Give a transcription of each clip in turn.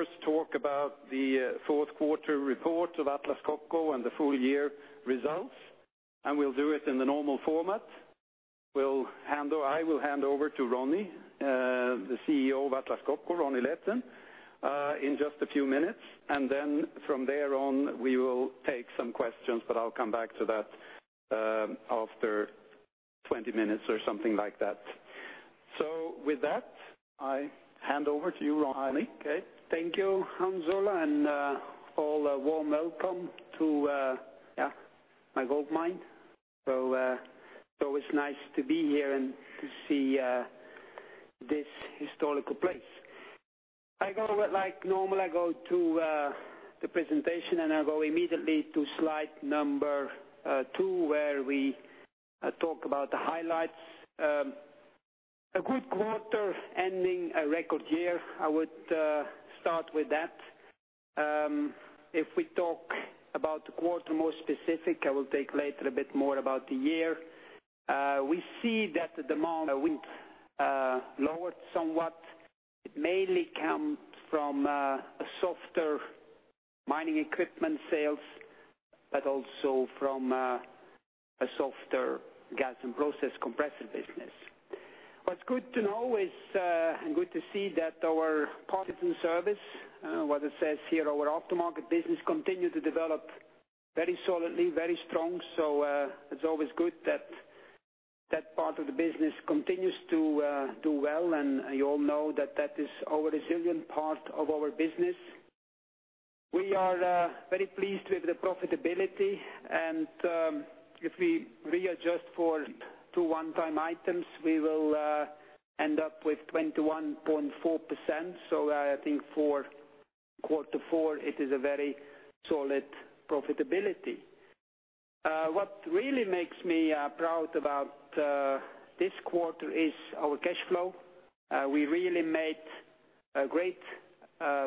First talk about the fourth quarter report of Atlas Copco and the full year results, and we'll do it in the normal format. I will hand over to Ronnie, the CEO of Atlas Copco, Ronnie Leten, in just a few minutes, and then from there on, we will take some questions, but I'll come back to that after 20 minutes or something like that. With that, I hand over to you, Ronnie. Okay. Thank you, Hans Olav, and a warm welcome to my gold mine. It's always nice to be here and to see this historical place. Like normal, I go to the presentation, and I go immediately to slide number two, where we talk about the highlights. A good quarter ending a record year. I would start with that. If we talk about the quarter more specific, I will take later a bit more about the year. We see that the demand went lower somewhat. It mainly comes from softer mining equipment sales, but also from a softer Gas and Process compressor business. What's good to know is, and good to see, that our parts and service, what it says here, our aftermarket business, continue to develop very solidly, very strong. It's always good that that part of the business continues to do well, and you all know that is our resilient part of our business. We are very pleased with the profitability, and if we readjust for two one-time items, we will end up with 21.4%. I think for Q4, it is a very solid profitability. What really makes me proud about this quarter is our cash flow. We really made a great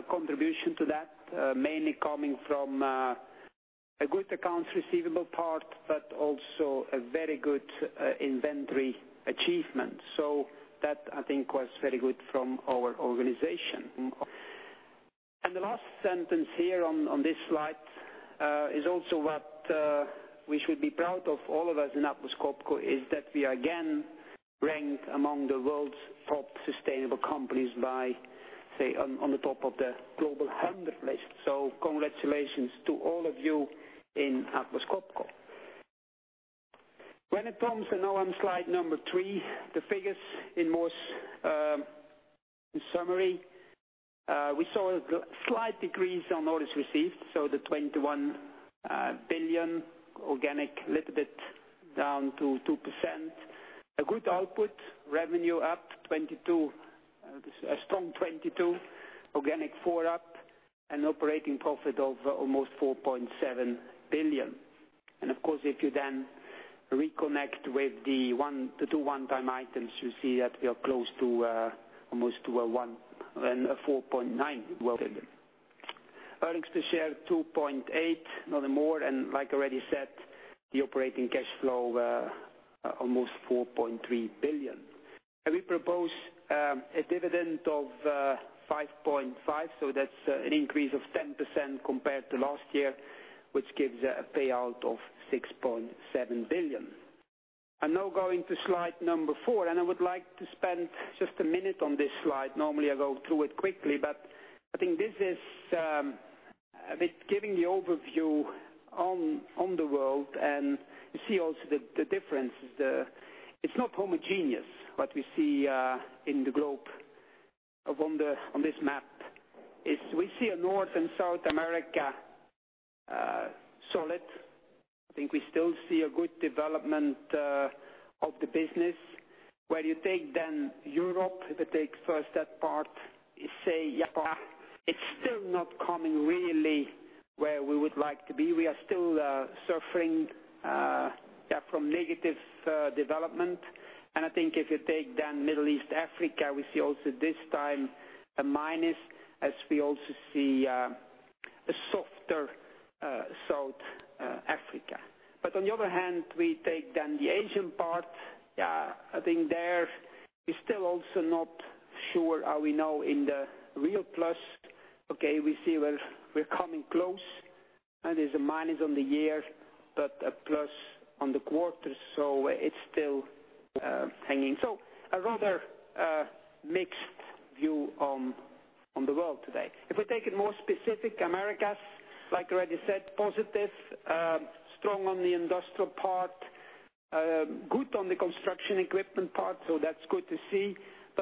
contribution to that, mainly coming from a good accounts receivable part, but also a very good inventory achievement. That, I think, was very good from our organization. The last sentence here on this slide is also what we should be proud of, all of us in Atlas Copco, is that we are again ranked among the world's top sustainable companies on the top of the Global 100 list. Congratulations to all of you in Atlas Copco. Now on slide number three, the figures in summary. We saw a slight decrease on orders received, the 21 billion, organic little bit down to 2%. A good output. Revenue up 22%. A strong 22%, organic 4% up, and operating profit of almost 4.7 billion. Of course, if you then reconnect with the two one-time items, you see that we are close to almost to a one and a 4.9. Earnings per share 2.8, nothing more. Like I already said, the operating cash flow almost 4.3 billion. We propose a dividend of 5.5, that's an increase of 10% compared to last year, which gives a payout of 6.7 billion. Now going to slide number four, and I would like to spend just a minute on this slide. Normally, I go through it quickly, but I think this is a bit giving the overview on the world, and you see also the differences. It's not homogeneous, what we see in the globe on this map, is we see a North and South America, solid. I think we still see a good development of the business. Where you take then Europe, if you take first that part, you say, yes, it's still not coming really where we would like to be. We are still suffering from negative development. I think if you take then Middle East, Africa, we see also this time a minus, as we also see a softer South Africa. On the other hand, we take then the Asian part. I think there, we're still also not sure are we now in the real plus. We see we're coming close, there's a minus on the year, but a plus on the quarter, it's still hanging. A rather mixed view on the world today. If we take it more specific, Americas, like I already said, positive. Strong on the industrial part. Good on the construction equipment part, that's good to see.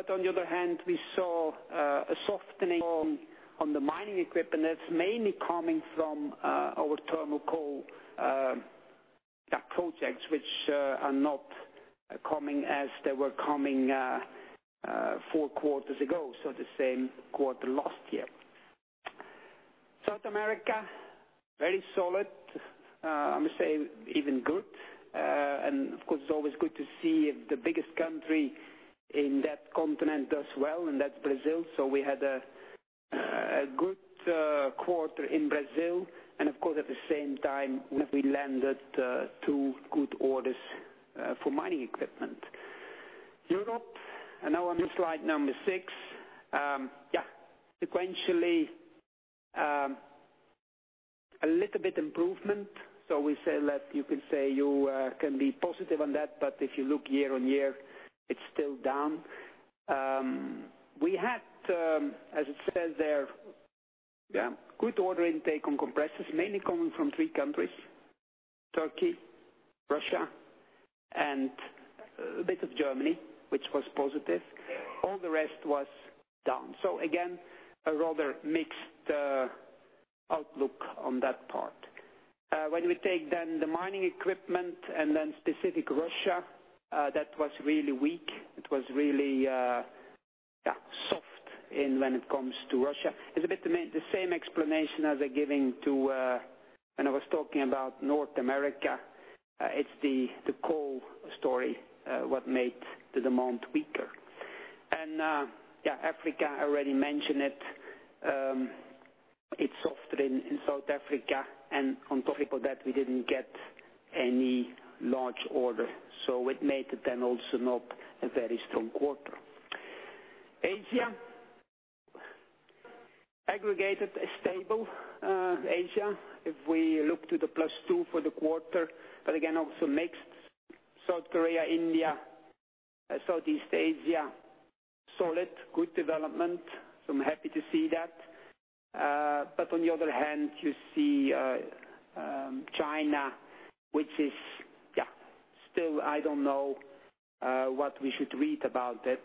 On the other hand, we saw a softening on the mining equipment that's mainly coming from our thermal coal projects, which are not coming as they were coming 4 quarters ago, the same quarter last year. South America, very solid. I must say, even good. Of course, it's always good to see the biggest country in that continent does well, and that's Brazil. We had a good quarter in Brazil. Of course, at the same time, we landed 2 good orders for mining equipment. Europe. Now I'm on slide number six. Sequentially, a little bit improvement. We say that you can say you can be positive on that, but if you look year-over-year, it's still down. We had, as it says there, good order intake on compressors, mainly coming from 3 countries, Turkey, Russia, and a bit of Germany, which was positive. All the rest was down. Again, a rather mixed outlook on that part. When we take then the mining equipment and then specific Russia, that was really weak. It was really soft when it comes to Russia. It's a bit the same explanation as I was giving when I was talking about North America. It's the coal story, what made the demand weaker. Africa, I already mentioned it. It's softer in South Africa, and on top of that, we didn't get any large order. It made it then also not a very strong quarter. Asia. Aggregated, stable Asia. If we look to the +2 for the quarter, but again, also mixed. South Korea, India, Southeast Asia, solid, good development. I'm happy to see that. On the other hand, you see China, which is still, I don't know what we should read about it.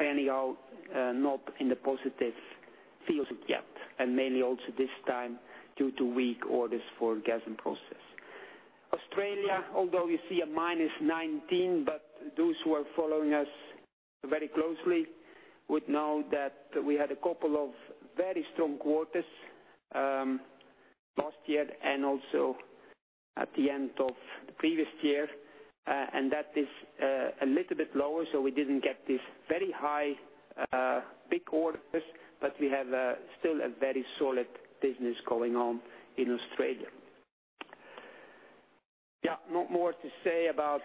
Anyhow, not in the positive fields yet, and mainly also this time due to weak orders for Gas and Process. Australia, although you see a -19%, but those who are following us very closely would know that we had a couple of very strong quarters, last year and also at the end of the previous year. That is a little bit lower, we didn't get these very high, big orders, but we have still a very solid business going on in Australia. Not more to say about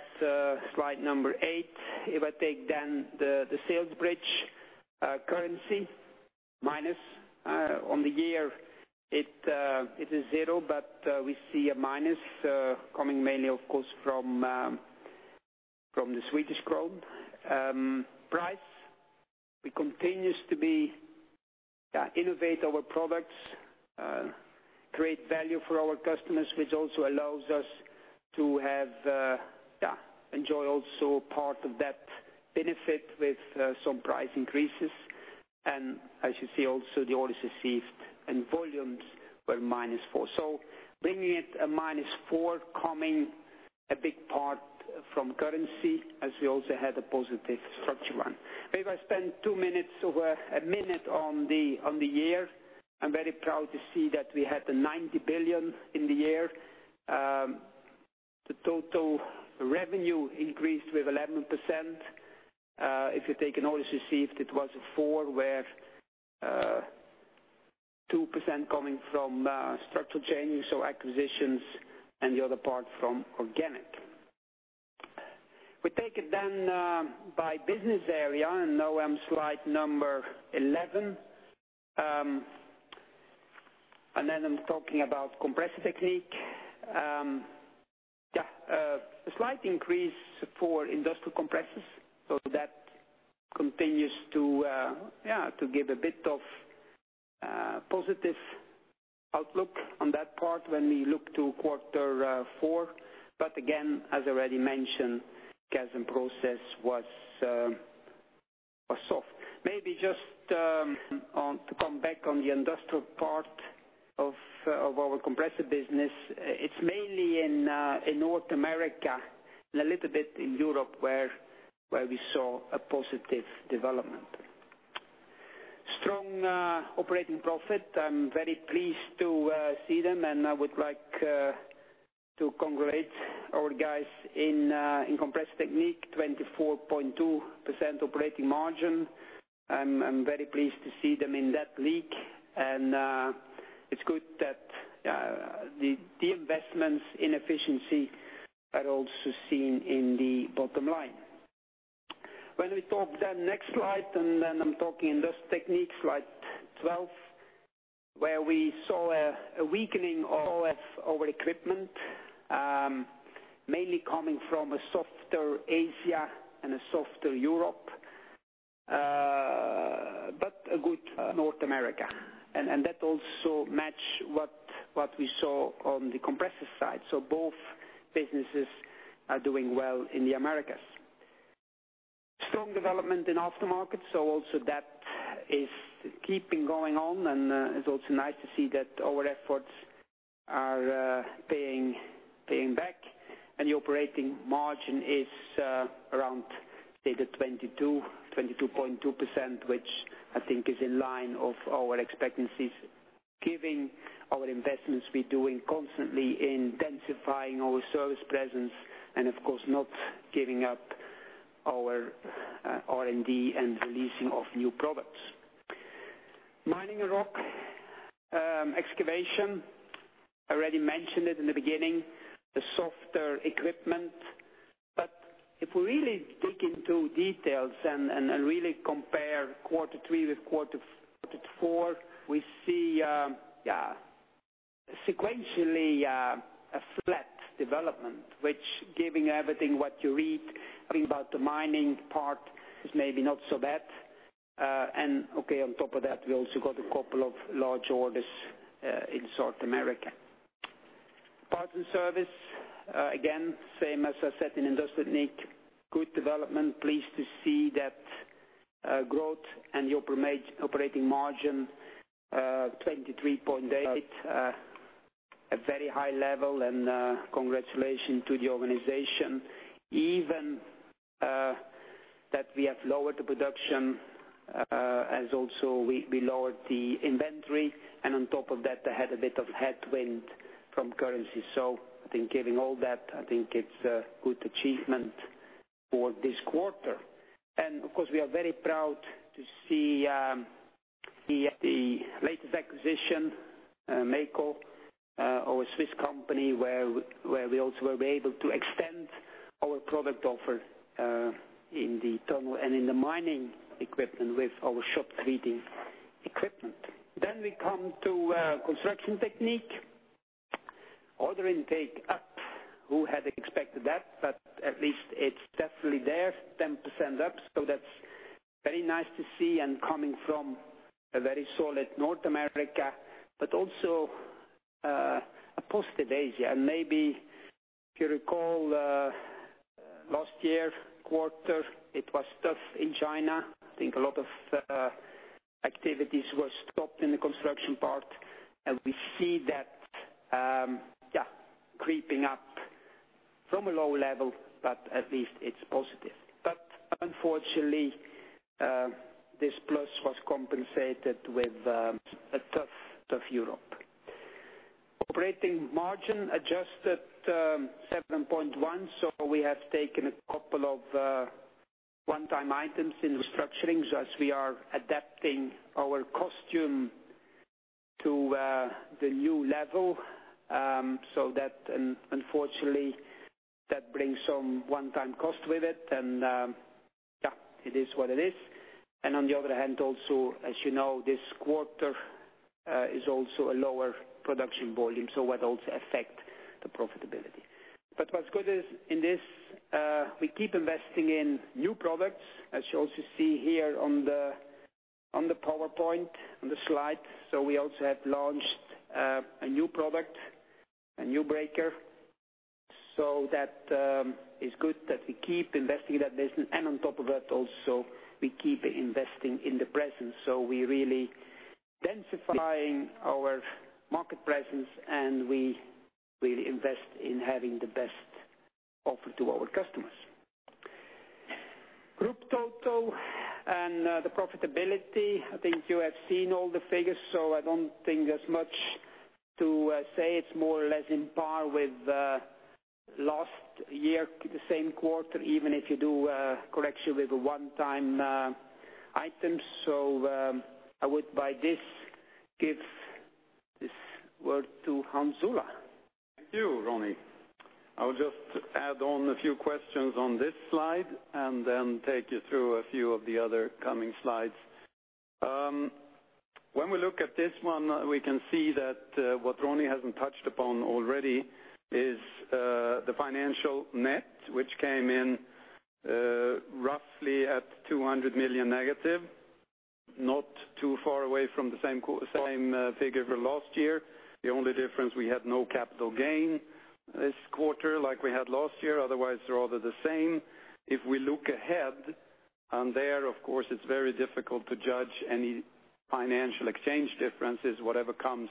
slide eight. I take then the sales bridge currency minus on the year, it is zero, but we see a minus coming mainly, of course, from the Swedish krona. Price. We continue to innovate our products, create value for our customers, which also allows us to enjoy a part of that benefit with some price increases. As you see also, the orders received and volumes were -4%. Bringing it a -4%, coming a big part from currency as we also had a positive structure run. I spend two minutes or a minute on the year. I'm very proud to see that we had 90 billion in the year. The total revenue increased with 11%. You take an orders received, it was 4% where 2% coming from structural changes, so acquisitions, and the other part from organic. We take it then by business area, now I'm slide 11. Then I'm talking about Compressor Technique. A slight increase for industrial compressors. That continues to give a bit of positive outlook on that part when we look to quarter four. Again, as I already mentioned, Gas and Process was soft. Just to come back on the industrial part of our compressor business. It's mainly in North America and a little bit in Europe where we saw a positive development. Strong operating profit. I'm very pleased to see them, and I would like to congratulate our guys in Compressor Technique, 24.2% operating margin. I'm very pleased to see them in that league. It's good that the investments in efficiency are also seen in the bottom line. We talk then next slide, then I'm talking Industrial Technique, slide 12, where we saw a weakening of our equipment, mainly coming from a softer Asia and a softer Europe, a good North America. That also matches what we saw on the compressor side. Both businesses are doing well in the Americas. Strong development in aftermarket, also that is keeping going on, and it's also nice to see that our efforts are paying back. The operating margin is around, say, 22.2%, which I think is in line with our expectancies, given our investments we're doing constantly intensifying our service presence and of course not giving up our R&D and releasing of new products. Mining and Rock Excavation. I already mentioned it in the beginning, the softer equipment. If we really dig into details and really compare quarter three with quarter four, we see sequentially a flat development, which given everything what you read, everything about the mining part, is maybe not so bad. Okay, on top of that, we also got a couple of large orders in South America. Parts and service, again, same as I said in Industrial Technique, good development. Pleased to see that growth and the operating margin, 23.8%, a very high level, congratulations to the organization. Even though we have lowered the production, as also we lowered the inventory, and on top of that, they had a bit of headwind from currency. I think given all that, I think it's a good achievement for this quarter. Of course, we are very proud to see the latest acquisition, MEYCO, our Swiss company, where we also will be able to extend our product offer in the tunnel and in the mining equipment with our shotcreting equipment. We come to Construction Technique. Order intake up. Who had expected that? But at least it's definitely there, 10% up, so that's very nice to see and coming from a very solid North America, but also a positive Asia. Maybe if you recall, last year quarter, it was tough in China. I think a lot of activities were stopped in the construction part, and we see that creeping up from a low level, but at least it's positive. But unfortunately, this plus was compensated with a tough Europe. Operating margin adjusted 7.1%, so we have taken a couple of one-time items in restructuring as we are adapting our cost base to the new level. So unfortunately, that brings some one-time cost with it, and it is what it is. And on the other hand, also, as you know, this quarter is also a lower production volume, so what also affect the profitability. But what's good is, in this we keep investing in new products, as you also see here on the PowerPoint, on the slide. So we also have launched a new product, a new breaker. So that is good that we keep investing in that business, and on top of that, also, we keep investing in the presence. So we're really densifying our market presence, and we really invest in having the best offer to our customers. Group total and the profitability. I think you have seen all the figures, so I don't think there's much to say. It's more or less on par with last year, the same quarter, even if you do a correction with a one-time item. I would, by this, give this word to Hans Olov. Thank you, Ronny. I will just add on a few questions on this slide and then take you through a few of the other coming slides. We look at this one, we can see that what Ronny hasn't touched upon already is the financial net, which came in roughly at 200 million negative, not too far away from the same figure for last year. The only difference, we had no capital gain this quarter like we had last year. Otherwise, they're all the same. If we look ahead, and there, of course, it's very difficult to judge any financial exchange differences. Whatever comes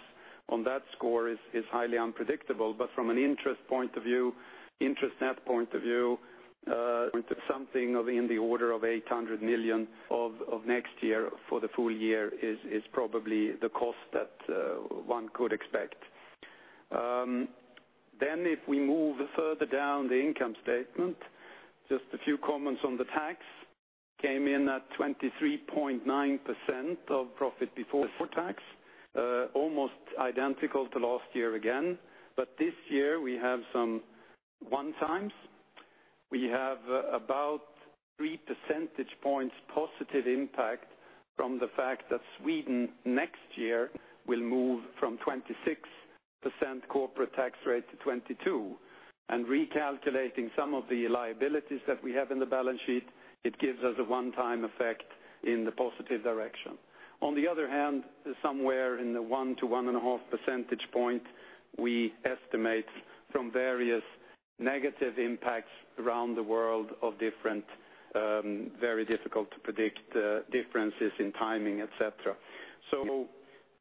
on that score is highly unpredictable. But from an interest net point of view, something in the order of 800 million of next year for the full year is probably the cost that one could expect. Then if we move further down the income statement, just a few comments on the tax. Came in at 23.9% of profit before tax. Almost identical to last year again. This year we have some one-times. We have about 3 percentage points positive impact from the fact that Sweden next year will move from 26% corporate tax rate to 22%. Recalculating some of the liabilities that we have on the balance sheet, it gives us a one-time effect in the positive direction. On the other hand, somewhere in the one to one and a half percentage points, we estimate from various negative impacts around the world of different, very difficult to predict differences in timing, et cetera.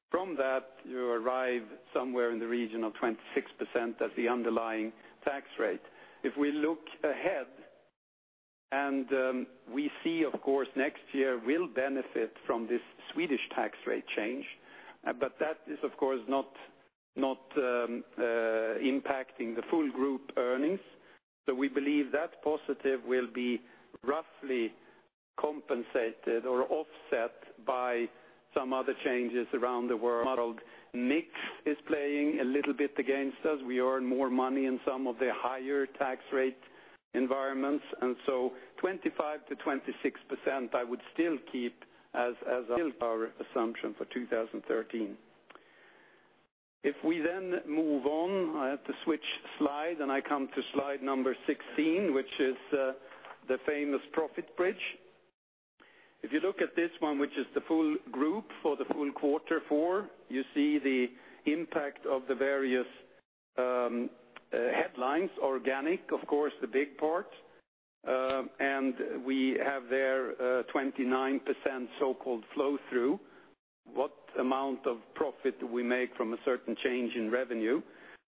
From that, you arrive somewhere in the region of 26% as the underlying tax rate. If we look ahead and we see, of course, next year will benefit from this Swedish tax rate change. That is, of course, not impacting the full group earnings. So we believe that positive will be roughly compensated or offset by some other changes around the world. Mix is playing a little bit against us. We earn more money in some of the higher tax rate environments, and so 25%-26%, I would still keep as our assumption for 2013. If we then move on, I have to switch slide and I come to slide number 16, which is the famous profit bridge. If you look at this one, which is the full group for the full quarter four, you see the impact of the various headlines. Organic, of course, the big part. And we have there 29% so-called flow-through. What amount of profit we make from a certain change in revenue,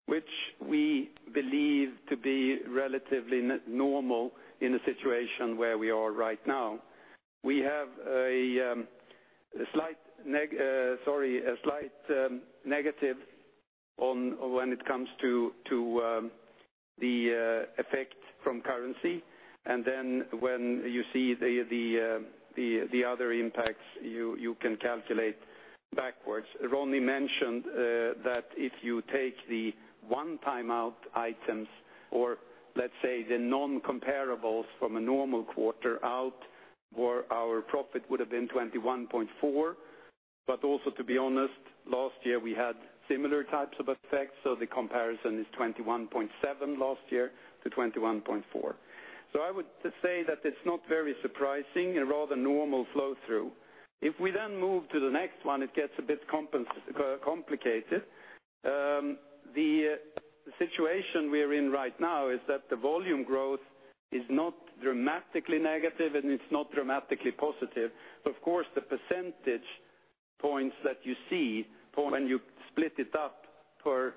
which we believe to be relatively normal in the situation where we are right now. We have a slight negative when it comes to the effect from currency, and then when you see the other impacts, you can calculate backwards. Ronnie mentioned that if you take the one-time-out items or, let's say, the non-comparables from a normal quarter out, our profit would have been 21.4. But also, to be honest, last year we had similar types of effects, so the comparison is 21.7 last year to 21.4. So I would say that it's not very surprising, a rather normal flow-through. If we then move to the next one, it gets a bit complicated. The situation we are in right now is that the volume growth is not dramatically negative and it's not dramatically positive. But of course, the percentage points that you see when you split it up per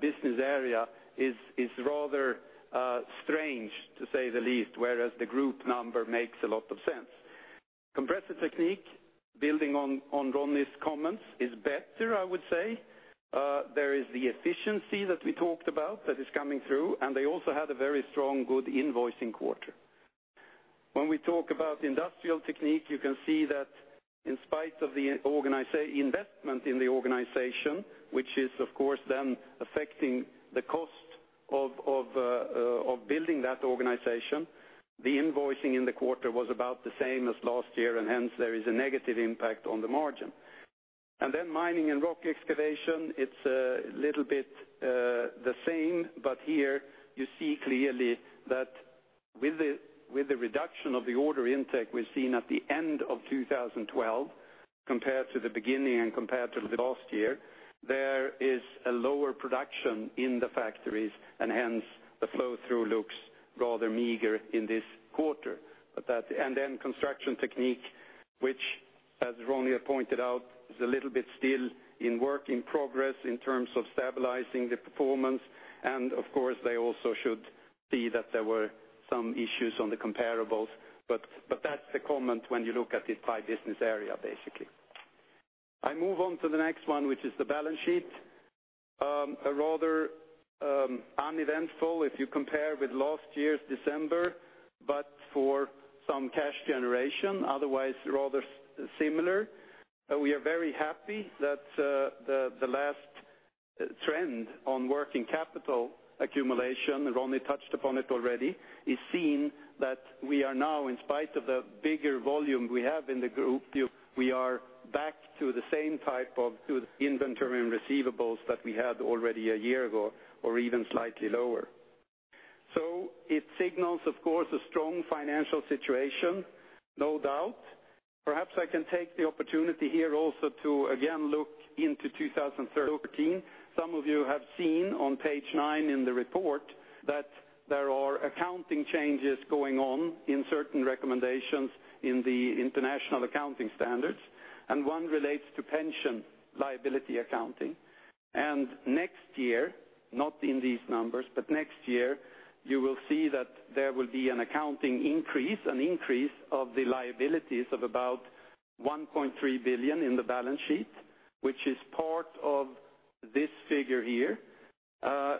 business area is rather strange, to say the least, whereas the group number makes a lot of sense. Compressor Technique, building on Ronnie's comments, is better, I would say. There is the efficiency that we talked about that is coming through, and they also had a very strong, good invoicing quarter. When we talk about Industrial Technique, you can see that in spite of the investment in the organization, which is of course then affecting the cost of building that organization, the invoicing in the quarter was about the same as last year, and hence there is a negative impact on the margin. Mining and Rock Excavation, it's a little bit the same, but here you see clearly that with the reduction of the order intake we've seen at the end of 2012 compared to the beginning and compared to last year, there is a lower production in the factories and hence the flow-through looks rather meager in this quarter. Construction Technique, which as Ronny pointed out, is a little bit still in work in progress in terms of stabilizing the performance, and of course, they also should see that there were some issues on the comparables, but that's the comment when you look at it by business area, basically. I move on to the next one, which is the balance sheet. A rather uneventful if you compare with last year's December, but for some cash generation, otherwise rather similar. We are very happy that the last trend on working capital accumulation, Ronny touched upon it already, is seen that we are now, in spite of the bigger volume we have in the group, we are back to the same type of inventory and receivables that we had already a year ago, or even slightly lower. It signals, of course, a strong financial situation, no doubt. Perhaps I can take the opportunity here also to again look into 2013. Some of you have seen on page nine in the report that there are accounting changes going on in certain recommendations in the International Accounting Standards, and one relates to pension liability accounting. Next year, not in these numbers, but next year, you will see that there will be an accounting increase, an increase of the liabilities of about 1.3 billion in the balance sheet, which is part of this figure here,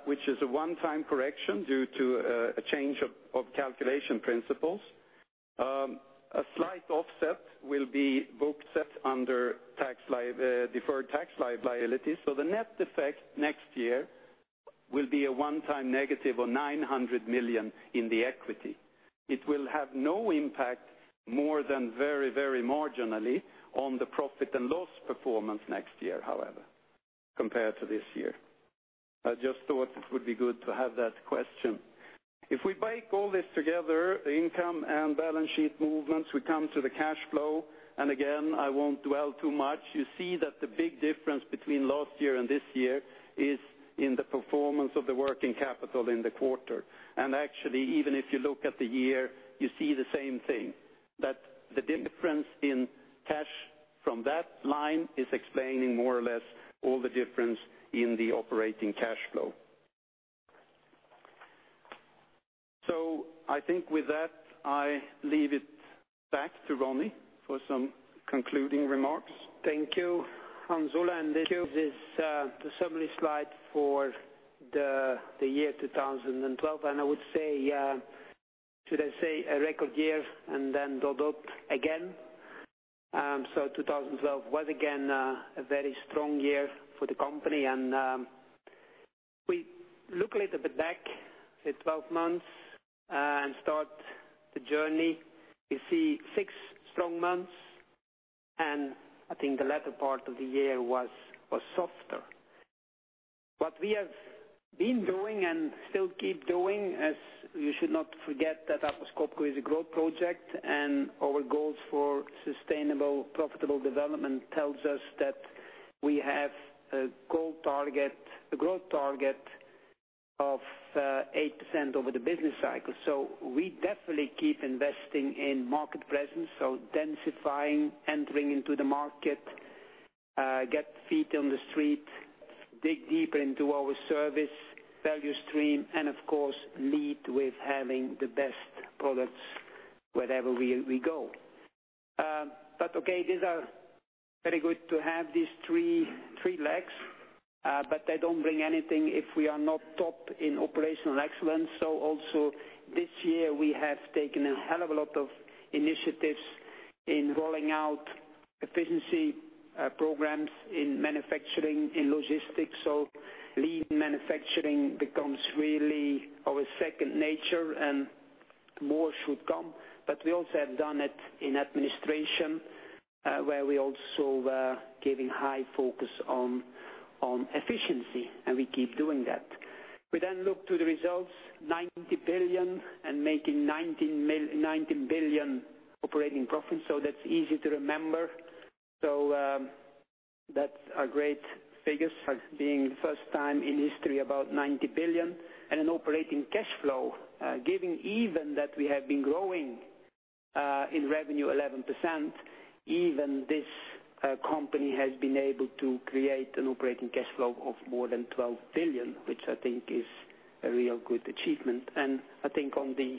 which is a one-time correction due to a change of calculation principles. A slight offset will be booked under deferred tax liability. The net effect next year will be a one-time negative of 900 million in the equity. It will have no impact more than very marginally on the profit and loss performance next year, however, compared to this year. I just thought it would be good to have that question. If we bake all this together, the income and balance sheet movements, we come to the cash flow. Again, I won't dwell too much. You see that the big difference between last year and this year is in the performance of the working capital in the quarter. Actually, even if you look at the year, you see the same thing, that the difference in cash from that line is explaining more or less all the difference in the operating cash flow. I think with that, I leave it back to Ronny for some concluding remarks. Thank you, Hans Olaf. This is the summary slide for the year 2012. I would say, should I say a record year and then dot again? 2012 was again a very strong year for the company. We look a little bit back, say 12 months, and start the journey. You see six strong months. I think the latter part of the year was softer. What we have been doing and still keep doing, as you should not forget that Atlas Copco is a growth project, and our goals for sustainable profitable development tells us that we have a growth target of 8% over the business cycle. We definitely keep investing in market presence, so densifying, entering into the market, get feet on the street, dig deeper into our service value stream. Of course, lead with having the best products wherever we go. Okay, these are very good to have these three legs, but they don't bring anything if we are not top in operational excellence. Also this year, we have taken a hell of a lot of initiatives in rolling out efficiency programs in manufacturing, in logistics. Lean manufacturing becomes really our second nature, and more should come. We also have done it in administration, where we also giving high focus on efficiency. We keep doing that. We look to the results, 90 billion and making 19 billion operating profit. That's easy to remember. That's a great figure, being the first time in history about 90 billion. An operating cash flow, given even that we have been growing, in revenue 11%, even this company has been able to create an operating cash flow of more than 12 billion, which I think is a real good achievement. I think on the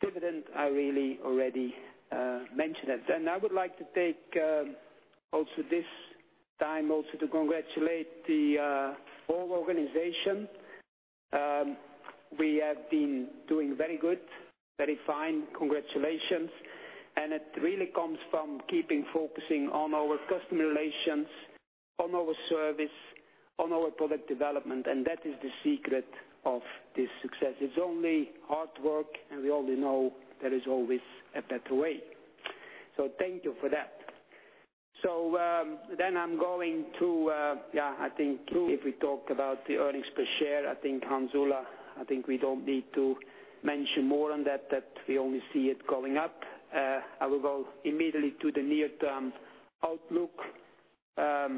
dividend, I really already mentioned it. I would like to take also this time also to congratulate the whole organization. We have been doing very good, very fine. Congratulations. It really comes from keeping focusing on our customer relations, on our service, on our product development, and that is the secret of this success. It's only hard work, and we only know there is always a better way. Thank you for that. I'm going to, I think if we talk about the earnings per share, I think, Hans Olaf, I think we don't need to mention more on that we only see it going up. I will go immediately to the near-term outlook. As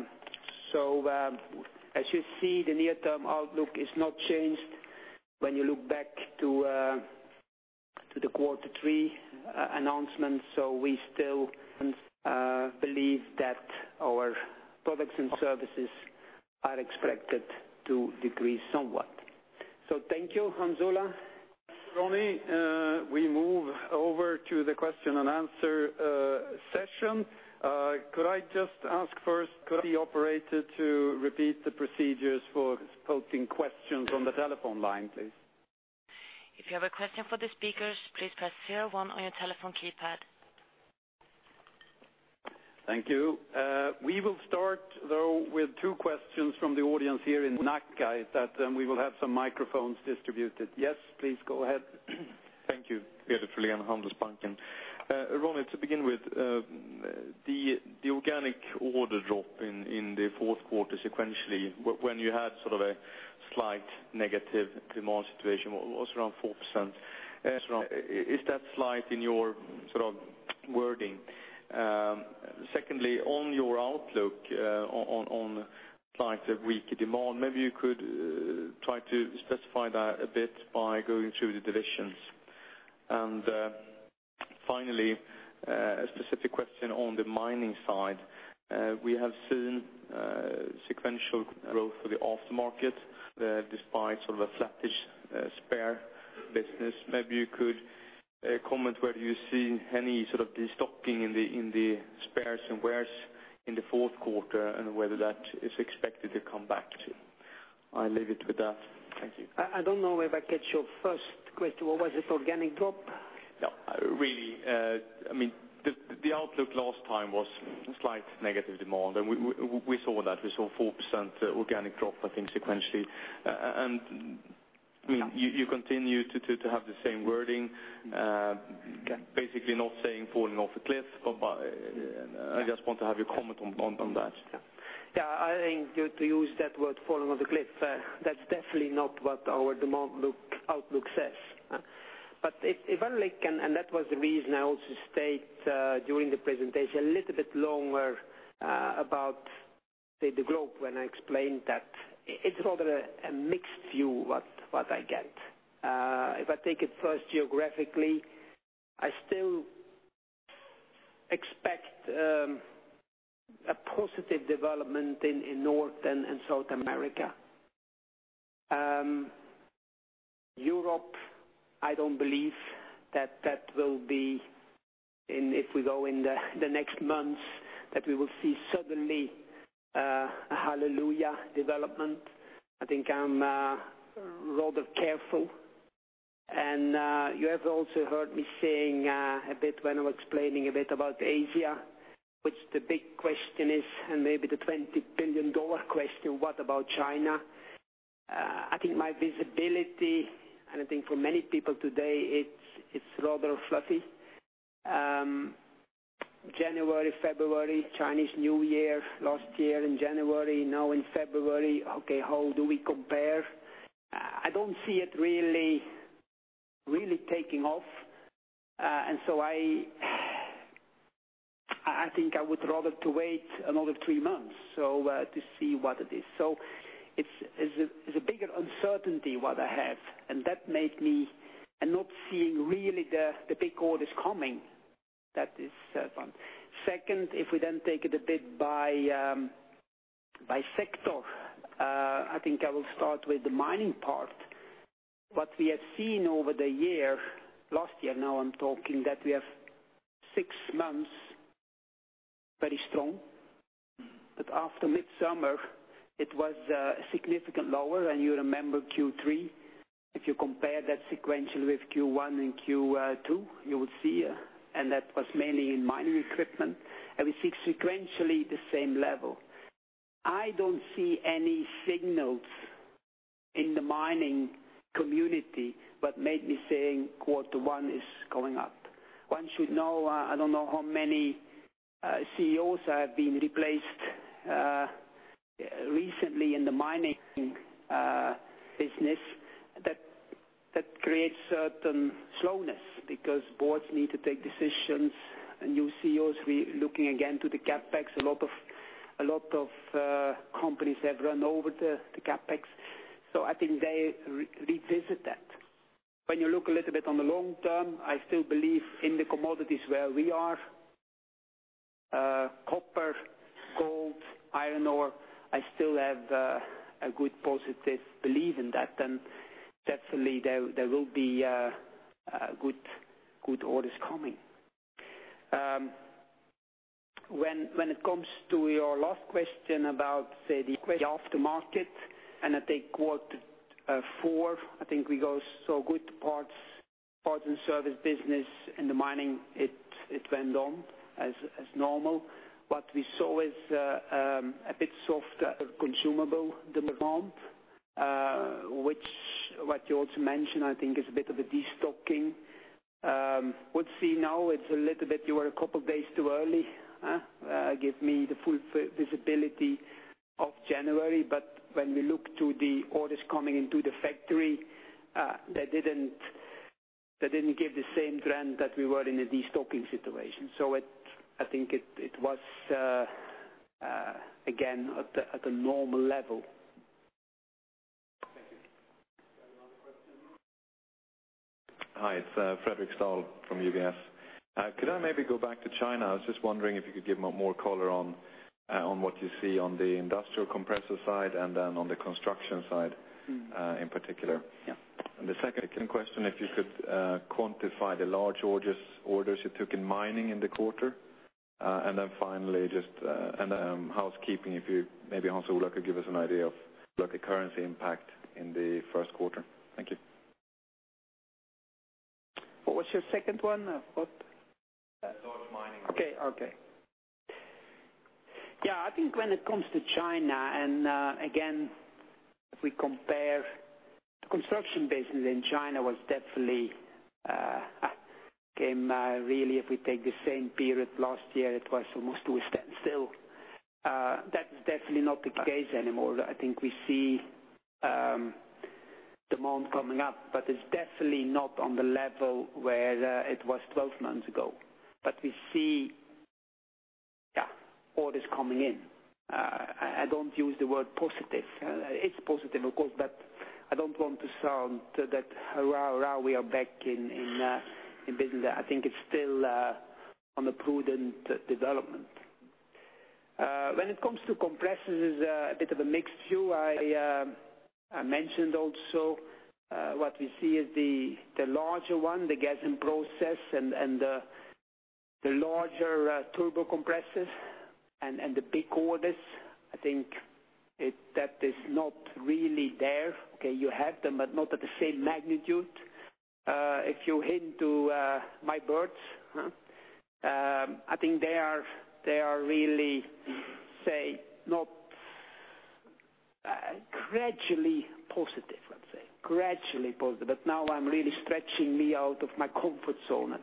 you see, the near-term outlook is not changed when you look back to the quarter three announcement. We still believe that our products and services are expected to decrease somewhat. Thank you, Hans Olaf. Ronny, we move over to the question and answer session. Could I just ask first, could the operator to repeat the procedures for posing questions on the telephone line, please? If you have a question for the speakers, please press 01 on your telephone keypad. Thank you. We will start, though, with two questions from the audience here in Nacka, that we will have some microphones distributed. Yes, please go ahead. Thank you. Peter from Handelsbanken. Ronny, to begin with, the organic order drop in the fourth quarter sequentially when you had a slight negative demand situation was around 4%. Is that slight in your wording? Secondly, on your outlook, on slight weaker demand, maybe you could try to specify that a bit by going through the divisions. Finally, a specific question on the mining side. We have seen sequential growth for the aftermarket, despite a flattish spare business. Maybe you could comment whether you see any sort of destocking in the spares and wears in the fourth quarter, and whether that is expected to come back to. I leave it with that. Thank you. I don't know if I catch your first question. What was it? Organic drop? Yeah. Really, the outlook last time was slight negative demand. We saw that. We saw 4% organic drop, I think, sequentially. You continue to have the same wording. Okay. Basically not saying falling off a cliff, I just want to have your comment on that. Yeah. I think to use that word, falling off a cliff, that's definitely not what our demand outlook says. If I can, and that was the reason I also state, during the presentation a little bit longer, about the group when I explained that it's sort of a mixed view what I get. If I take it first geographically, I still Positive development in North and South America. Europe, I don't believe that will be, if we go in the next months, that we will see suddenly a hallelujah development. I think I'm rather careful. You have also heard me saying a bit when I was explaining a bit about Asia, which the big question is, and maybe the $20 billion question, what about China? I think my visibility, and I think for many people today, it's rather fluffy. January, February, Chinese New Year, last year in January, now in February. Okay, how do we compare? I don't see it really taking off. I think I would rather wait another three months to see what it is. It's a bigger uncertainty, what I have. That made me, not seeing really the big orders coming. That is one. Second, if we take it a bit by sector, I think I will start with the mining part. What we have seen over the year, last year now I'm talking, that we have six months very strong. After midsummer, it was significantly lower. You remember Q3. If you compare that sequentially with Q1 and Q2, you will see, that was mainly in mining equipment, we see sequentially the same level. I don't see any signals in the mining community that made me say quarter one is going up. One should know, I don't know how many CEOs have been replaced recently in the mining business. That creates certain slowness because boards need to take decisions and new CEOs will be looking again to the CapEx. A lot of companies have run over the CapEx. I think they revisit that. When you look a little bit on the long term, I still believe in the commodities where we are. Copper, gold, iron ore, I still have a good positive belief in that. Definitely there will be good orders coming. When it comes to your last question about, say, the after market, I take quarter four, I think we go so good parts and service business in the mining, it went on as normal. What we saw is a bit softer consumable demand, which, what you also mentioned, I think is a bit of a de-stocking. We'll see now it's a little bit, you are a couple of days too early. Give me the full visibility of January. When we look to the orders coming into the factory, they didn't give the same trend that we were in a de-stocking situation. I think it was, again, at a normal level. Thank you. Any other questions? Hi, it's Fredric Stahl from UBS. Could I maybe go back to China? I was just wondering if you could give more color on what you see on the industrial compressor side and then on the construction side in particular. Yeah. The second question, if you could quantify the large orders you took in mining in the quarter. Finally, just housekeeping, if you maybe also, Luca, give us an idea of currency impact in the first quarter. Thank you. What was your second one? What? Large mining. Okay. Yeah, I think when it comes to China, again, if we compare the construction business in China was definitely came really, if we take the same period last year, it was almost to a standstill. That's definitely not the case anymore. I think we see demand coming up, it's definitely not on the level where it was 12 months ago. We see orders coming in. I don't use the word positive. It's positive, of course, I don't want to sound that hoorah, we are back in business. I think it's still on a prudent development. When it comes to compressors, it's a bit of a mixed view. I mentioned also what we see is the larger one, the Gas and Process and the larger Turbo Compressors and the big orders. I think that is not really there. Okay, you have them, not at the same magnitude. If you hint to my birds, I think they are really, say, not gradually positive, let's say. Gradually positive. Now I'm really stretching me out of my comfort zone at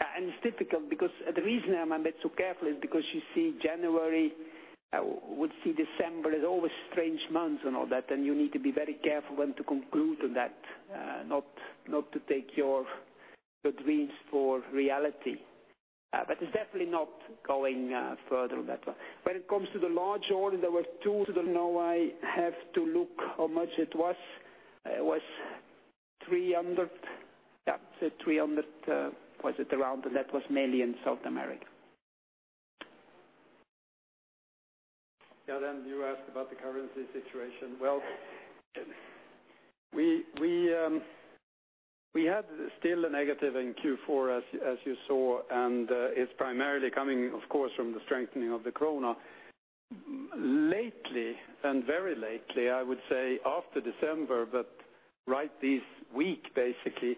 that. It's difficult because the reason I'm a bit so careful is because you see January, would see December as always strange months and all that, you need to be very careful when to conclude on that. Not to take your dreams for reality. It's definitely not going further on that one. When it comes to the large order, there were two that now I have to look how much it was. It was 300. Yeah, so 300, was it around? That was mainly in South America. Yeah. You asked about the currency situation. Well, we had still a negative in Q4 as you saw, it's primarily coming, of course, from the strengthening of the krona. Lately and very lately, I would say after December, right this week, basically,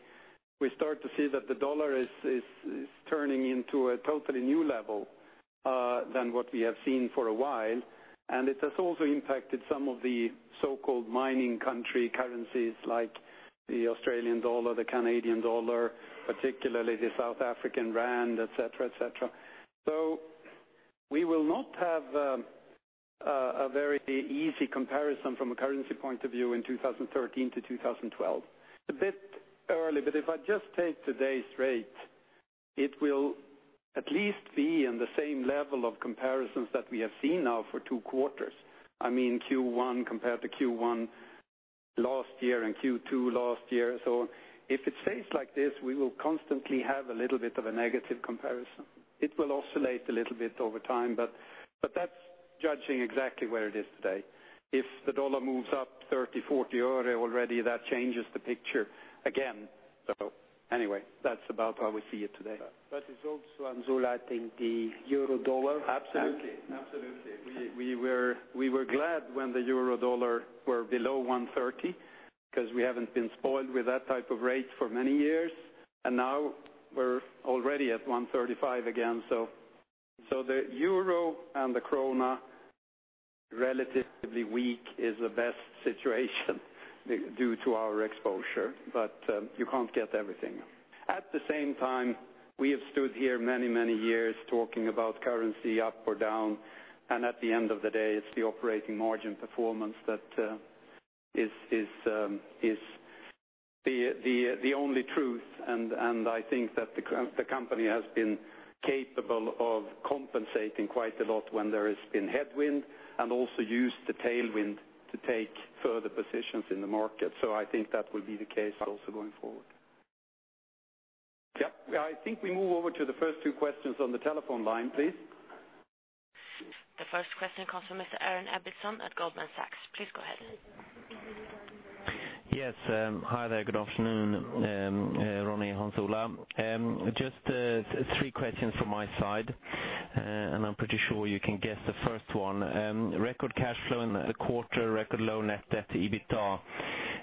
we start to see that the U.S. dollar is turning into a totally new level than what we have seen for a while. It has also impacted some of the so-called mining country currencies like the Australian dollar, the Canadian dollar, particularly the South African rand, et cetera. We will not have a very easy comparison from a currency point of view in 2013 to 2012. It's a bit early, if I just take today's rate, it will at least be in the same level of comparisons that we have seen now for two quarters. I mean Q1 compared to Q1 last year and Q2 last year. If it stays like this, we will constantly have a little bit of a negative comparison. It will oscillate a little bit over time, but that's judging exactly where it is today. If the dollar moves up 30, 40 already, that changes the picture again. Anyway, that's about how we see it today. It's also, Hans Olav, I think the euro dollar. Absolutely. We were glad when the euro dollar were below 130, because we haven't been spoiled with that type of rate for many years. Now we're already at 135 again. The euro and the Swedish krona relatively weak is the best situation due to our exposure. You can't get everything. At the same time, we have stood here many years talking about currency up or down, and at the end of the day, it's the operating margin performance that is the only truth. I think that the company has been capable of compensating quite a lot when there has been headwind, and also use the tailwind to take further positions in the market. I think that will be the case also going forward. Yep. I think we move over to the first two questions on the telephone line, please. The first question comes from Mr. Aron Eberson at Goldman Sachs. Please go ahead. Yes. Hi there. Good afternoon, Ronny and Hans Olav. Just three questions from my side, and I'm pretty sure you can guess the first one. Record cash flow in the quarter, record low net debt to EBITDA.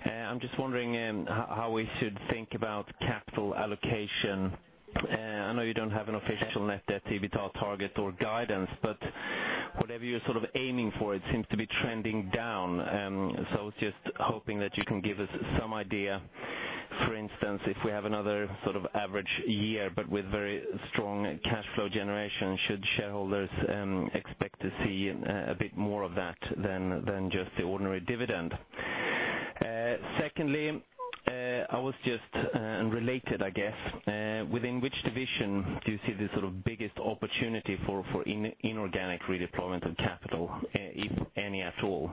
I'm just wondering how we should think about capital allocation. I know you don't have an official net debt to EBITDA target or guidance, but whatever you're sort of aiming for, it seems to be trending down. I was just hoping that you can give us some idea, for instance, if we have another sort of average year but with very strong cash flow generation, should shareholders expect to see a bit more of that than just the ordinary dividend? Secondly, I was just, and related, I guess, within which division do you see the sort of biggest opportunity for inorganic redeployment of capital, if any, at all?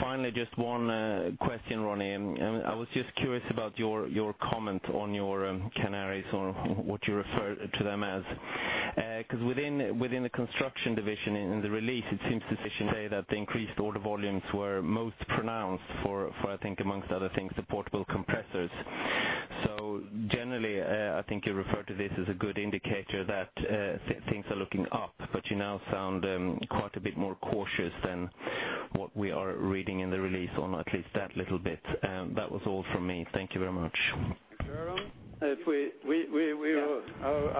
Finally, just one question, Ronny. I was just curious about your comment on your canaries or what you refer to them as, because within the Construction Technique division in the release, it seems to say that the increased order volumes were most pronounced for I think amongst other things, the portable compressors. Generally, I think you refer to this as a good indicator that things are looking up, but you now sound quite a bit more cautious than what we are reading in the release on at least that little bit. That was all from me. Thank you very much. Thank you, Aron.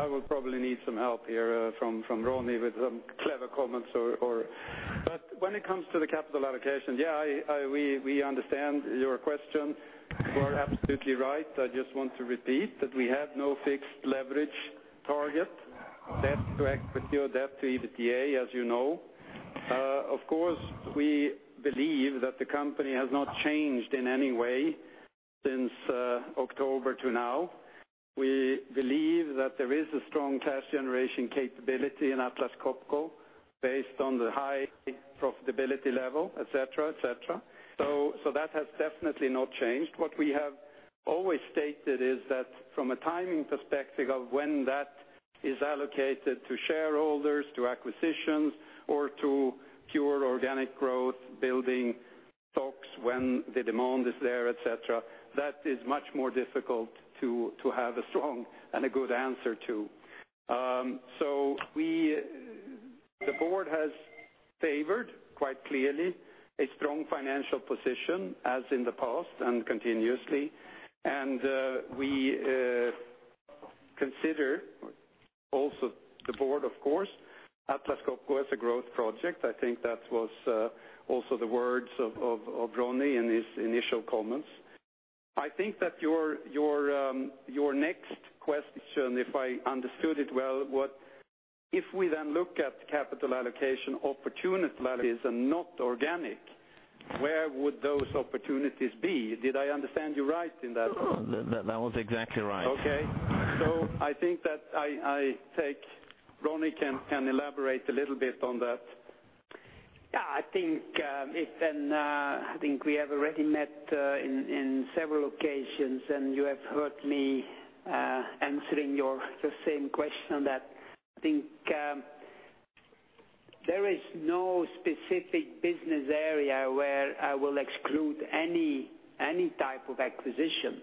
I will probably need some help here from Ronny with some clever comments or when it comes to the capital allocation, yeah, we understand your question. You are absolutely right. I just want to repeat that we have no fixed leverage target, debt to equity or debt to EBITDA, as you know. Of course, we believe that the company has not changed in any way since October to now. We believe that there is a strong cash generation capability in Atlas Copco based on the high profitability level, et cetera. That has definitely not changed. What we have always stated is that from a timing perspective of when that is allocated to shareholders, to acquisitions or to pure organic growth, building stocks when the demand is there, et cetera, that is much more difficult to have a strong and a good answer to. The board has favored quite clearly a strong financial position as in the past and continuously, and we consider also the board, of course, Atlas Copco as a growth project. I think that was also the words of Ronny in his initial comments. I think that your next question, if I understood it well, what if we then look at capital allocation opportunities and not organic, where would those opportunities be? Did I understand you right in that? That was exactly right. Okay. I think that I take Ronnie can elaborate a little bit on that. I think, Ethan, we have already met in several occasions, and you have heard me answering the same question. I think there is no specific business area where I will exclude any type of acquisition.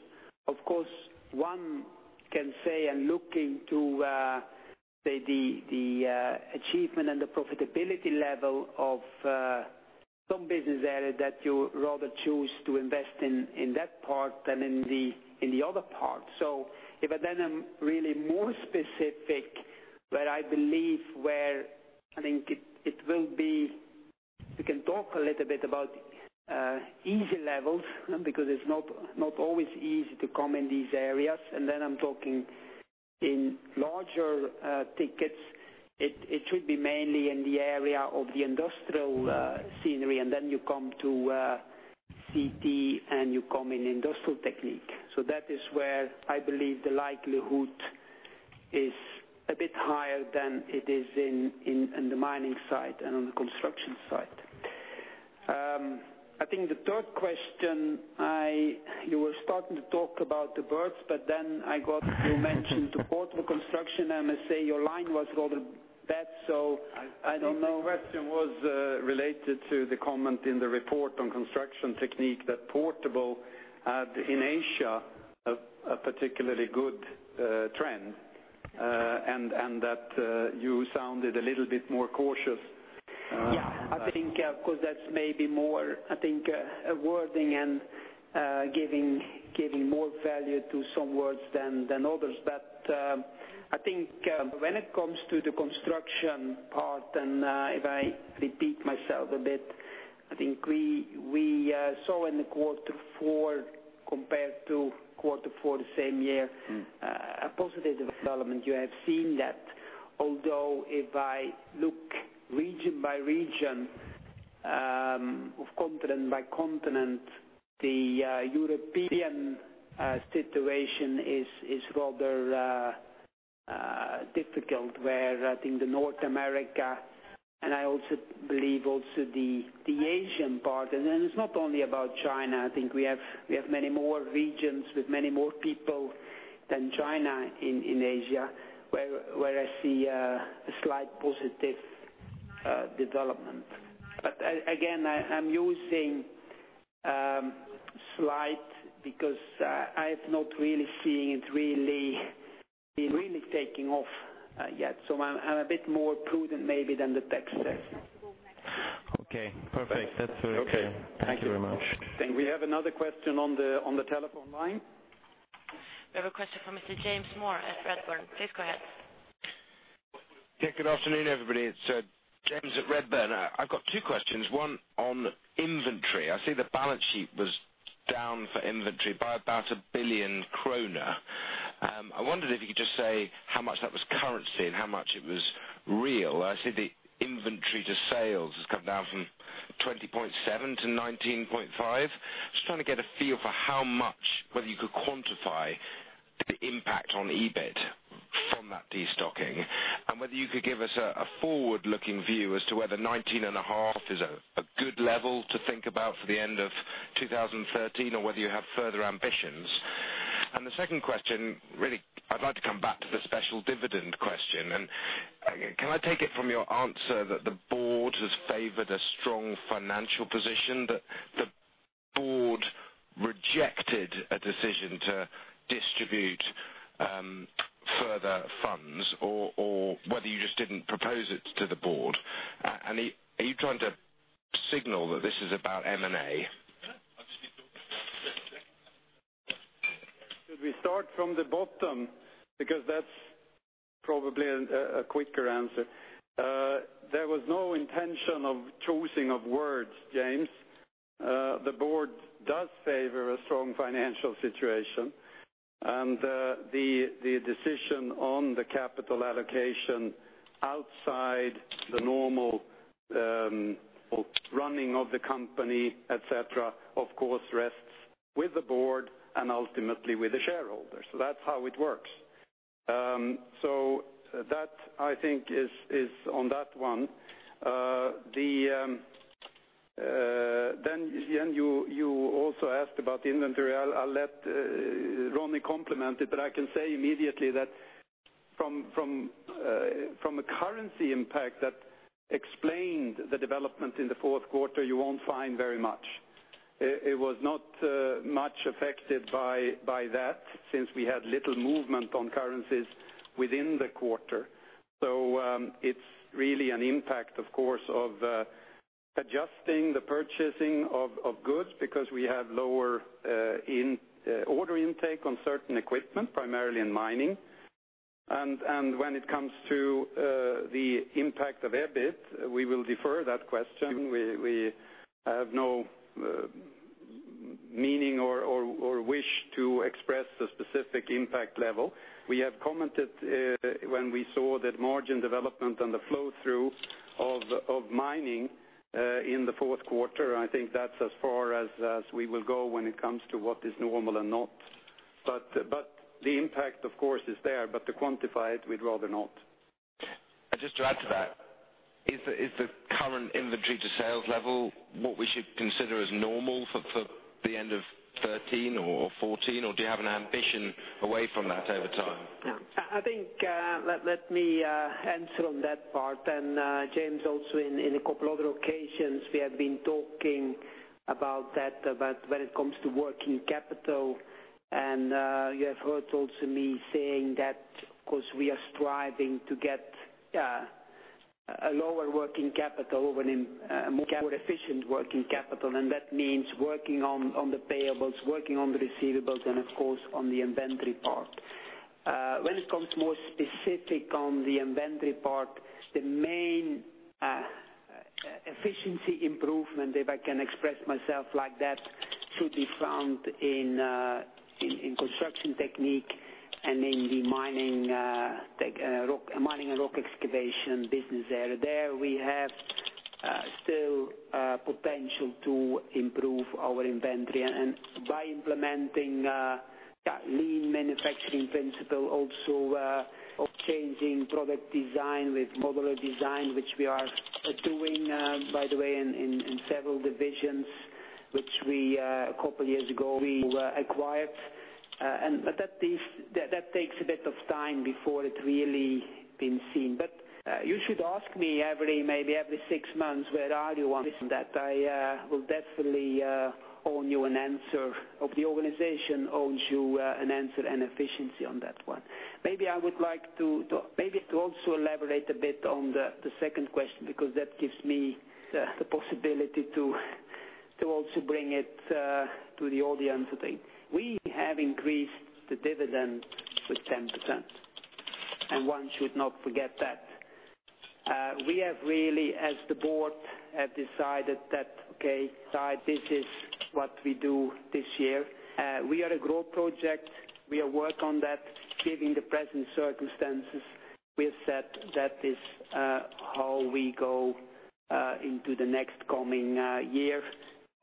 Of course, one can say, and looking to the achievement and the profitability level of some business areas that you would rather choose to invest in that part than in the other part. If I then am really more specific, where I think it will be, we can talk a little bit about EBIT levels, because it's not always easy to come in these areas. And then I'm talking in larger tickets, it should be mainly in the area of the industrial scenery, and then you come to CT, and you come in Industrial Technique. That is where I believe the likelihood is a bit higher than it is in the mining side and on the construction side. I think the third question, you were starting to talk about the words, but then I got you mentioned portable construction. I must say, your line was rather bad, so I don't know. I think the question was related to the comment in the report on Construction Technique that portable had, in Asia, a particularly good trend, and that you sounded a little bit more cautious. Yeah. I think, of course, that's maybe more, I think, a wording and giving more value to some words than others. I think when it comes to the construction part, and if I repeat myself a bit, I think we saw in the quarter four compared to quarter four the same year, a positive development. You have seen that. If I look region by region, of continent by continent, the European situation is rather difficult, where I think North America, and I also believe also the Asian part. It's not only about China. I think we have many more regions with many more people than China in Asia, where I see a slight positive development. Again, I'm using slight because I have not really seen it really taking off yet. I'm a bit more prudent maybe than the text says. Okay, perfect. That's very clear. Okay. Thank you very much. Thank you. I think we have another question on the telephone line. We have a question from Mr. James Moore at Redburn. Please go ahead. Yeah, good afternoon, everybody. It's James at Redburn. I've got two questions, one on inventory. I see the balance sheet was down for inventory by about 1 billion kronor. I wondered if you could just say how much that was currency and how much it was real. I see the inventory to sales has come down from 20.7 to 19.5. Just trying to get a feel for how much, whether you could quantify the impact on EBIT from that destocking, and whether you could give us a forward-looking view as to whether 19.5 is a good level to think about for the end of 2013, or whether you have further ambitions. The second question, really, I'd like to come back to the special dividend question. Can I take it from your answer that the board has favored a strong financial position, that the board rejected a decision to distribute further funds, or whether you just didn't propose it to the board? Are you trying to signal that this is about M&A? Should we start from the bottom? Because that's probably a quicker answer. There was no intention of choosing of words, James. The board does favor a strong financial situation, the decision on the capital allocation outside the normal running of the company, et cetera, of course, rests with the board and ultimately with the shareholders. That's how it works. That I think is on that one. You also asked about the inventory. I'll let Ronnie complement it, but I can say immediately that from a currency impact that explained the development in the fourth quarter, you won't find very much. It was not much affected by that, since we had little movement on currencies within the quarter. It's really an impact, of course, of adjusting the purchasing of goods because we have lower order intake on certain equipment, primarily in mining. When it comes to the impact of EBIT, we will defer that question. We have no meaning or wish to express the specific impact level. We have commented when we saw that margin development and the flow-through of mining in the fourth quarter. I think that's as far as we will go when it comes to what is normal and not The impact, of course, is there, to quantify it, we'd rather not. Just to add to that, is the current inventory to sales level what we should consider as normal for the end of 2013 or 2014, or do you have an ambition away from that over time? I think, let me answer on that part. James, also in a couple other occasions, we have been talking about that, about when it comes to working capital. You have heard also me saying that, of course, we are striving to get a lower working capital, a more efficient working capital. That means working on the payables, working on the receivables, and of course, on the inventory part. When it comes more specific on the inventory part, the main efficiency improvement, if I can express myself like that, should be found in Construction Technique and in the Mining and Rock Excavation Technique business area. There we have still potential to improve our inventory. By implementing lean manufacturing principle, also changing product design with modular design, which we are doing, by the way, in several divisions, which a couple years ago we acquired. That takes a bit of time before it's really been seen. You should ask me maybe every six months, "Where are you on this and that?" I will definitely owe you an answer. The organization owes you an answer and efficiency on that one. Maybe I would like to also elaborate a bit on the second question, because that gives me the possibility to also bring it to the audience, I think. We have increased the dividend with 10%, and one should not forget that. We have really, as the board, have decided that, okay, this is what we do this year. We are a growth project. We are work on that. Given the present circumstances, we have said that is how we go into the next coming year.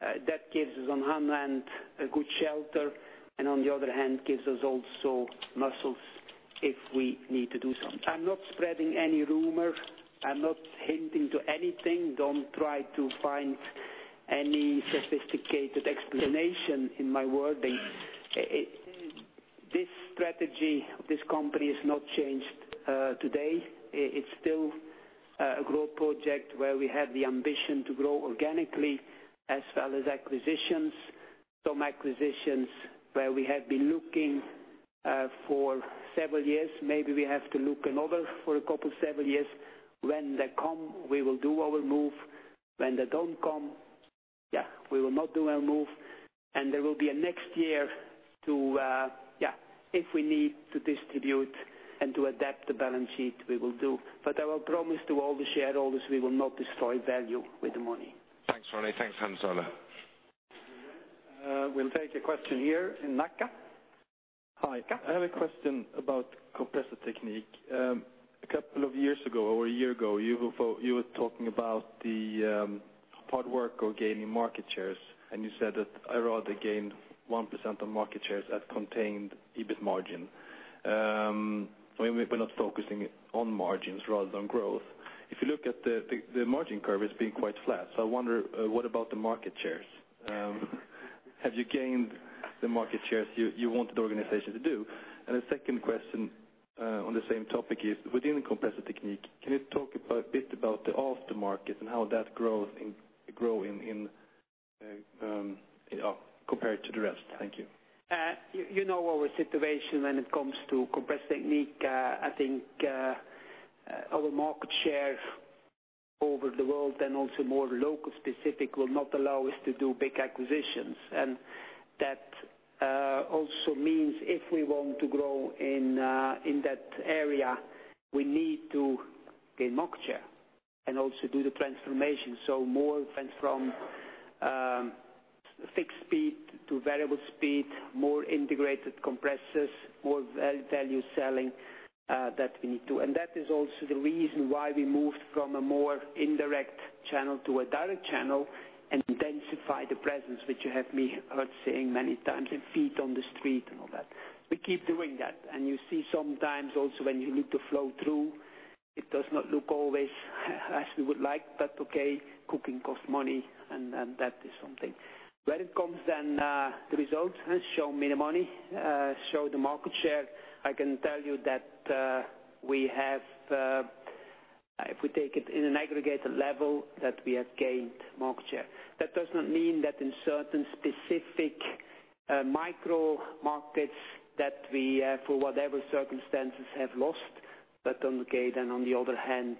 That gives us, on one hand, a good shelter, and on the other hand, gives us also muscles if we need to do something. I'm not spreading any rumor. I'm not hinting to anything. Don't try to find any sophisticated explanation in my wording. This strategy of this company is not changed today. It's still a growth project where we have the ambition to grow organically as well as acquisitions. Some acquisitions where we have been looking for several years, maybe we have to look another for a couple several years. When they come, we will do our move. When they don't come, we will not do our move. There will be a next year to, if we need to distribute and to adapt the balance sheet, we will do. I will promise to all the shareholders, we will not destroy value with the money. Thanks, Ronnie. Thanks, Hans Ola. We'll take a question here in Nacka. Hi. I have a question about Compressor Technique. A couple of years ago or a year ago, you were talking about the hard work or gaining market shares, and you said that I'd rather gain 1% of market shares that contained EBIT margin. We're not focusing on margins rather than growth. If you look at the margin curve, it's been quite flat. I wonder, what about the market shares? Have you gained the market shares you wanted the organization to do? The second question on the same topic is within Compressor Technique, can you talk a bit about the aftermarket and how that grow compared to the rest? Thank you. You know our situation when it comes to Compressor Technique. I think our market share over the world and also more local specific will not allow us to do big acquisitions. That also means if we want to grow in that area, we need to gain market share and also do the transformation. More than from fixed speed to variable speed, more integrated compressors, more value selling that we need to. That is also the reason why we moved from a more indirect channel to a direct channel and intensify the presence, which you have me heard saying many times and feet on the street and all that. We keep doing that. You see sometimes also when you look to flow through, it does not look always as we would like, but okay, cooking costs money and that is something. When it comes the results, show me the money, show the market share. I can tell you that we have, if we take it in an aggregated level, that we have gained market share. That does not mean that in certain specific micro markets that we have, for whatever circumstances, have lost. Okay, on the other hand,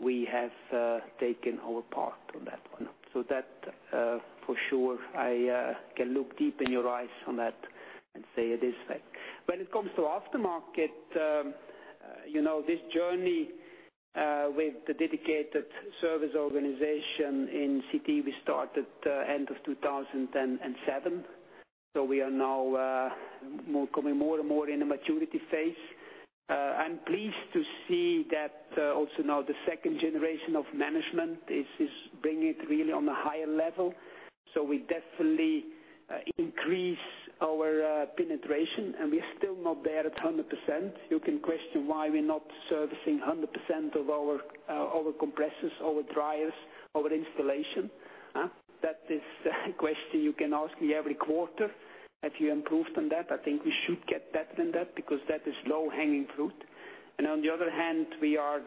we have taken our part on that one. That for sure, I can look deep in your eyes on that and say it is fact. When it comes to aftermarket, this journey with the dedicated service organization in CT, we started end of 2007. We are now coming more and more in a maturity phase. I'm pleased to see that also now the second generation of management is bringing it really on a higher level. We definitely increase our penetration, and we are still not there at 100%. You can question why we're not servicing 100% of our compressors, our dryers, our installation. That is a question you can ask me every quarter. Have you improved on that? I think we should get better than that because that is low-hanging fruit. On the other hand, we are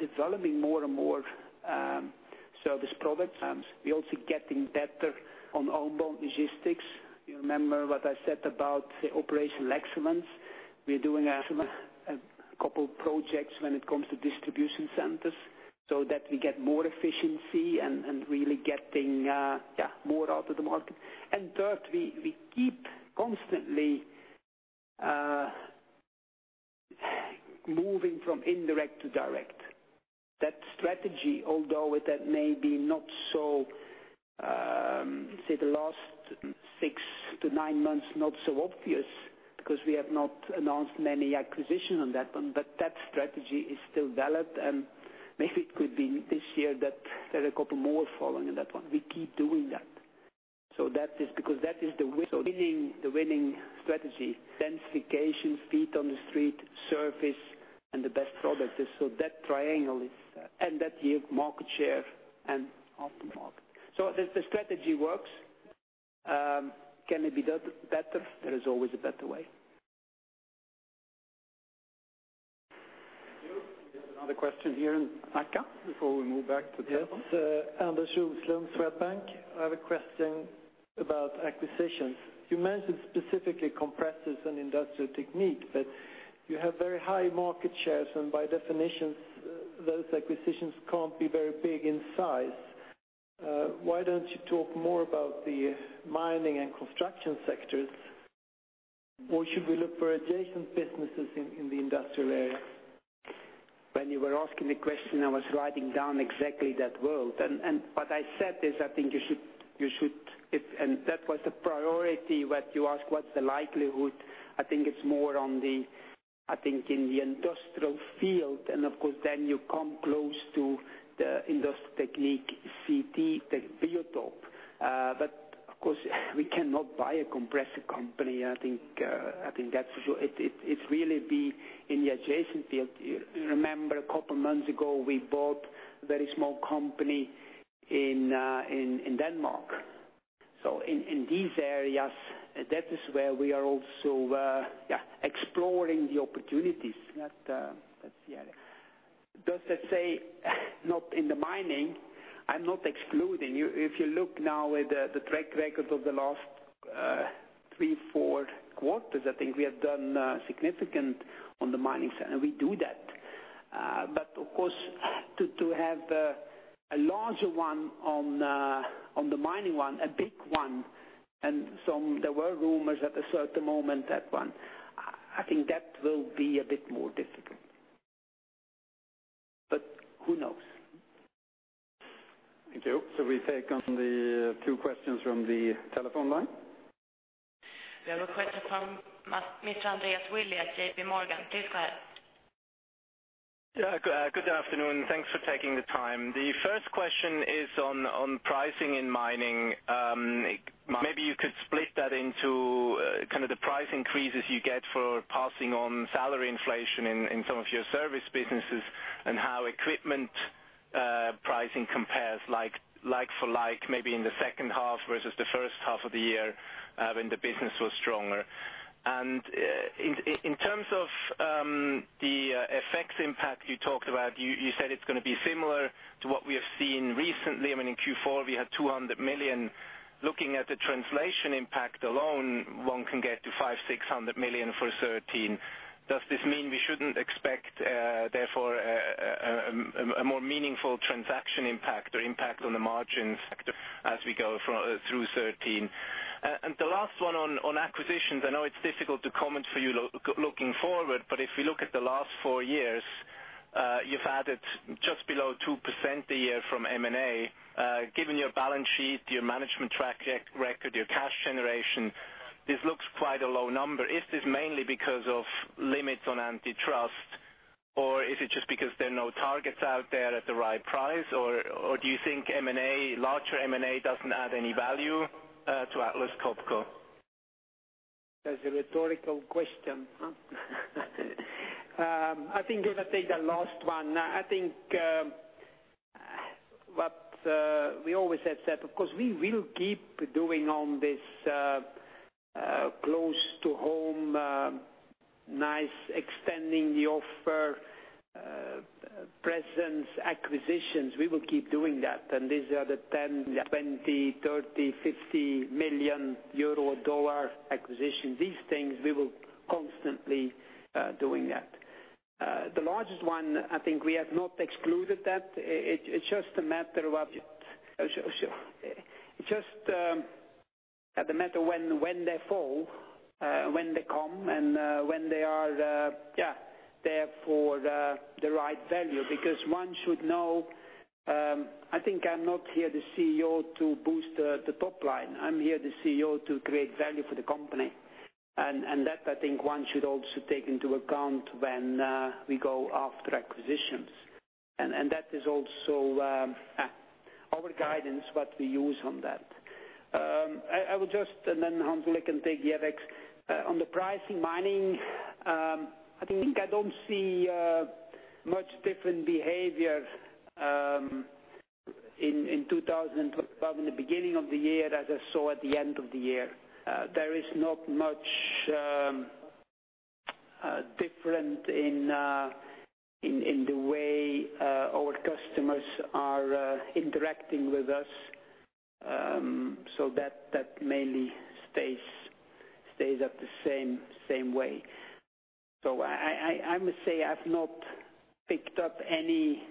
developing more and more service products. We're also getting better on onboard logistics. You remember what I said about operational excellence. We're doing a couple projects when it comes to distribution centers so that we get more efficiency and really getting more out of the market. Third, we keep constantly moving from indirect to direct. That strategy, although that may be not so, say, the last six to nine months, not so obvious because we have not announced many acquisitions on that one, but that strategy is still valid, and maybe it could be this year that there are a couple more following in that one. We keep doing that. That is the winning strategy. Densification, feet on the street, service, and the best products. That triangle and that market share and aftermarket. The strategy works. Can it be better? There is always a better way. Thank you. We have another question here in Nacka before we move back to telephone. Yes. Anders Swedbank. I have a question about acquisitions. You mentioned specifically compressors and Industrial Technique, but you have very high market shares, and by definition, those acquisitions can't be very big in size. Why don't you talk more about the mining and construction sectors? Or should we look for adjacent businesses in the industrial area? When you were asking the question, I was writing down exactly that world. What I said is, I think you should-- and that was a priority, what you ask, what's the likelihood? I think it's more in the industrial field, and of course, then you come close to the Industrial Technique, CT, BIOTOP. Of course, we cannot buy a compressor company. I think that it's really be in the adjacent field. You remember a couple of months ago, we bought a very small company in Denmark. In these areas, that is where we are also exploring the opportunities. That's the area. Does that say not in the mining? I'm not excluding. If you look now at the track record of the last three, four quarters, I think we have done significant on the mining side, and we do that. Of course, to have a larger one on the Mining one, a big one, there were rumors at a certain moment that one, I think that will be a bit more difficult. Who knows? Thank you. Should we take on the two questions from the telephone line? We have a question from Mr. Andreas Willi, J.P. Morgan. Please go ahead. Good afternoon. Thanks for taking the time. The first question is on pricing in Mining. Maybe you could split that into kind of the price increases you get for passing on salary inflation in some of your service businesses and how equipment pricing compares like for like maybe in the second half versus the first half of the year when the business was stronger. In terms of the FX impact you talked about, you said it's going to be similar to what we have seen recently. I mean, in Q4, we had 200 million. Looking at the translation impact alone, one can get to 500 million-600 million for 2013. Does this mean we shouldn't expect, therefore, a more meaningful transaction impact or impact on the margin sector as we go through 2013? The last one on acquisitions. I know it's difficult to comment for you looking forward, but if we look at the last four years, you've added just below 2% a year from M&A. Given your balance sheet, your management track record, your cash generation, this looks quite a low number. Is this mainly because of limits on antitrust, or is it just because there are no targets out there at the right price? Or do you think larger M&A doesn't add any value to Atlas Copco? That's a rhetorical question, huh? I think if I take the last one, I think what we always have said, of course, we will keep doing on this close to home, nice extending the offer, presence, acquisitions. We will keep doing that. These are the 10 million, 20 million, 30 million, EUR 50 million acquisition. These things, we will constantly doing that. The largest one, I think we have not excluded that. It's just a matter when they fall, when they come, and when they are there for the right value. One should know, I think I'm not here, the CEO, to boost the top line. I'm here, the CEO, to create value for the company. And that I think one should also take into account when we go after acquisitions. That is also our guidance, what we use on that. I will just, and then Hans Ola can take the other, on the pricing mining, I think I don't see much different behavior in 2012 in the beginning of the year as I saw at the end of the year. There is not much different in the way our customers are interacting with us. That mainly stays at the same way. I must say I've not picked up any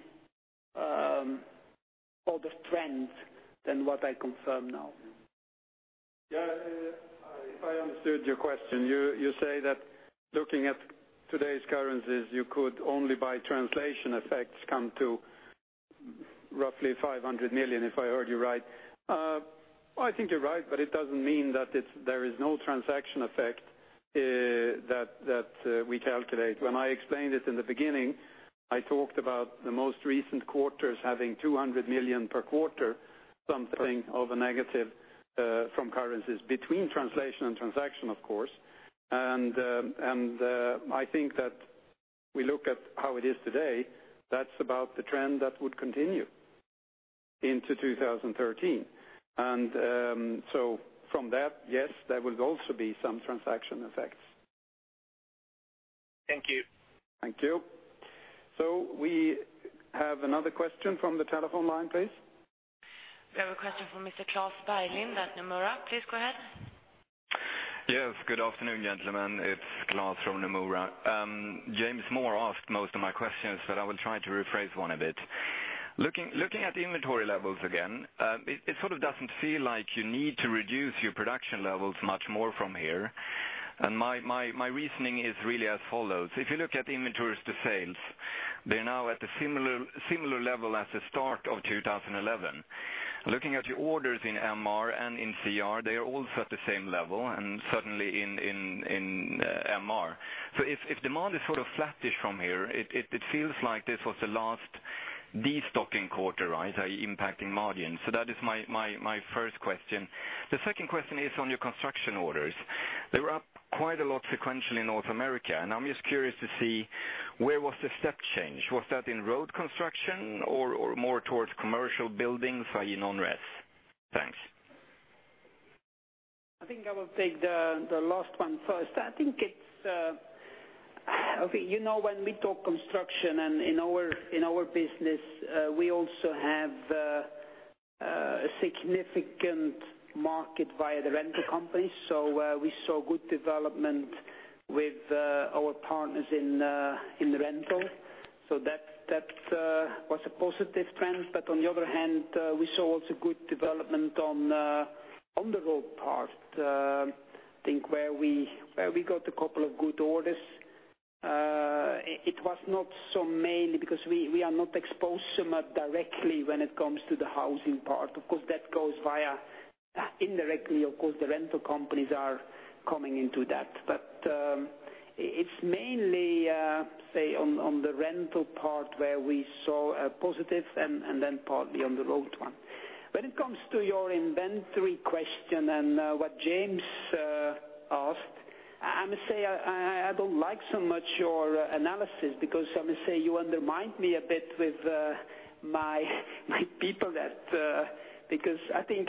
other trends than what I confirm now. Yeah. If I understood your question, you say that looking at today's currencies, you could only by translation effects come to roughly 500 million, if I heard you right. I think you're right, but it doesn't mean that there is no transaction effect that we calculate. When I explained it in the beginning, I talked about the most recent quarters having 200 million per quarter, something of a negative from currencies between translation and transaction, of course. I think that we look at how it is today, that's about the trend that would continue into 2013. From that, yes, there will also be some transaction effects. Thank you. Thank you. We have another question from the telephone line, please. We have a question from Mr. Klas Bergelind at Nomura. Please go ahead. Yes. Good afternoon, gentlemen. It's Klas from Nomura. James Moore asked most of my questions, but I will try to rephrase one a bit. Looking at the inventory levels again, it sort of doesn't feel like you need to reduce your production levels much more from here. My reasoning is really as follows. If you look at inventories to sales, they're now at the similar level as the start of 2011. Looking at your orders in MR and in CT, they are also at the same level and certainly in MR. If demand is sort of flattish from here, it feels like this was the last destocking quarter, right, impacting margin. That is my first question. The second question is on your construction orders. They were up quite a lot sequentially in North America, and I'm just curious to see where was the step change. Was that in road construction or more towards commercial buildings, i.e., non-res? Thanks. I think I will take the last one first. When we talk construction and in our business, we also have a significant market via the rental companies. We saw good development with our partners in rental. That was a positive trend. On the other hand, we saw also good development on the road part. I think where we got a couple of good orders. It was not so mainly because we are not exposed so much directly when it comes to the housing part. Of course, that goes via indirectly, of course, the rental companies are coming into that. It's mainly, say, on the rental part where we saw a positive and then partly on the road one. When it comes to your inventory question and what James asked, I must say I don't like so much your analysis because I must say you undermined me a bit with my people that, because I think,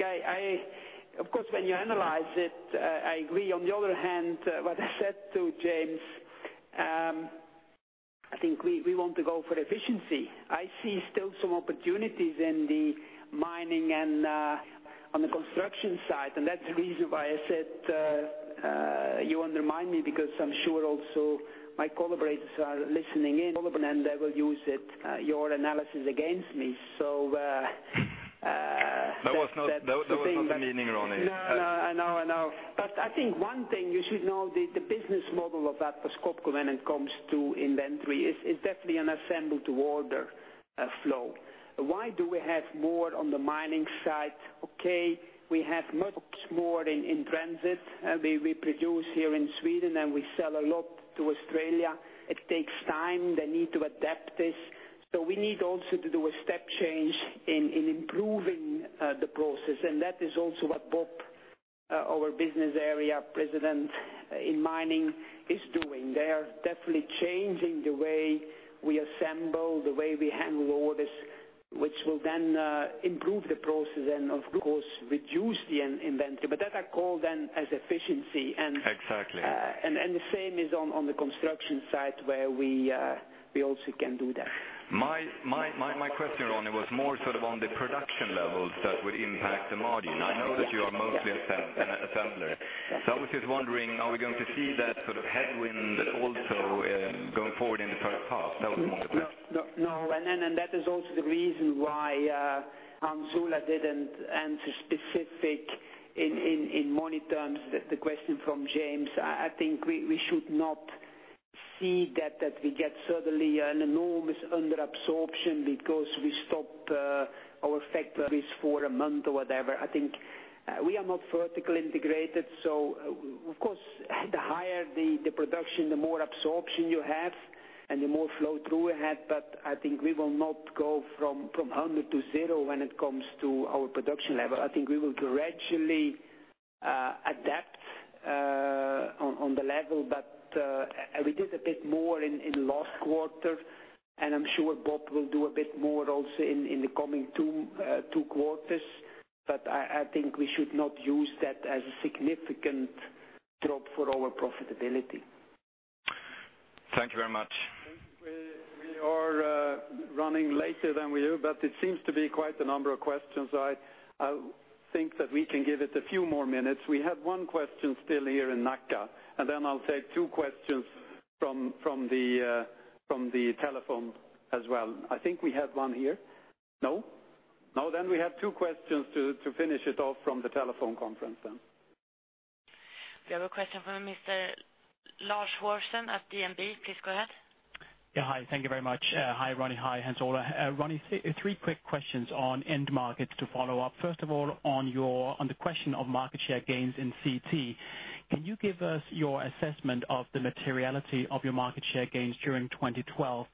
of course, when you analyze it, I agree. What I said to James, I think we want to go for efficiency. I see still some opportunities in the mining and on the construction side, that's the reason why I said, you undermine me because I'm sure also my collaborators are listening in, and they will use your analysis against me. That was not the meaning, Ronnie. No. I know. I think one thing you should know, the business model of Atlas Copco when it comes to inventory is definitely an assemble to order flow. Why do we have more on the mining side? Okay, we have much more in transit. We produce here in Sweden, and we sell a lot to Australia. It takes time. They need to adapt this. We need also to do a step change in improving the process, and that is also what Bob, our business area president in mining, is doing. They are definitely changing the way we assemble, the way we handle orders, which will then improve the process and of course, reduce the inventory. That I call then as efficiency and. Exactly. The same is on the construction side, where we also can do that. My question, Ronnie, was more sort of on the production levels that would impact the margin. I know that you are mostly an assembler. I was just wondering, are we going to see that sort of headwind also going forward in the first half? That was more the question. No. That is also the reason why Hans Ola didn't answer specific in money terms, the question from James. I think we should not see that we get suddenly an enormous under absorption because we stop our factories for a month or whatever. I think we are not vertically integrated. Of course, the higher the production, the more absorption you have and the more flow through we have. I think we will not go from 100 to zero when it comes to our production level. I think we will gradually adapt on the level. We did a bit more in last quarter, and I'm sure Bob will do a bit more also in the coming two quarters. I think we should not use that as a significant drop for our profitability. Thank you very much. We are running later than we are, it seems to be quite a number of questions. I think that we can give it a few more minutes. We have one question still here in Nacka, then I'll take two questions from the telephone as well. I think we have one here. No? We have two questions to finish it off from the telephone conference then. We have a question from Mr. Lars Worsten at DMB. Please go ahead. Yeah. Hi, thank you very much. Hi, Ronnie. Hi, Hans Olav. Ronnie, three quick questions on end markets to follow up. First of all, on the question of market share gains in CT. Can you give us your assessment of the materiality of your market share gains during 2012?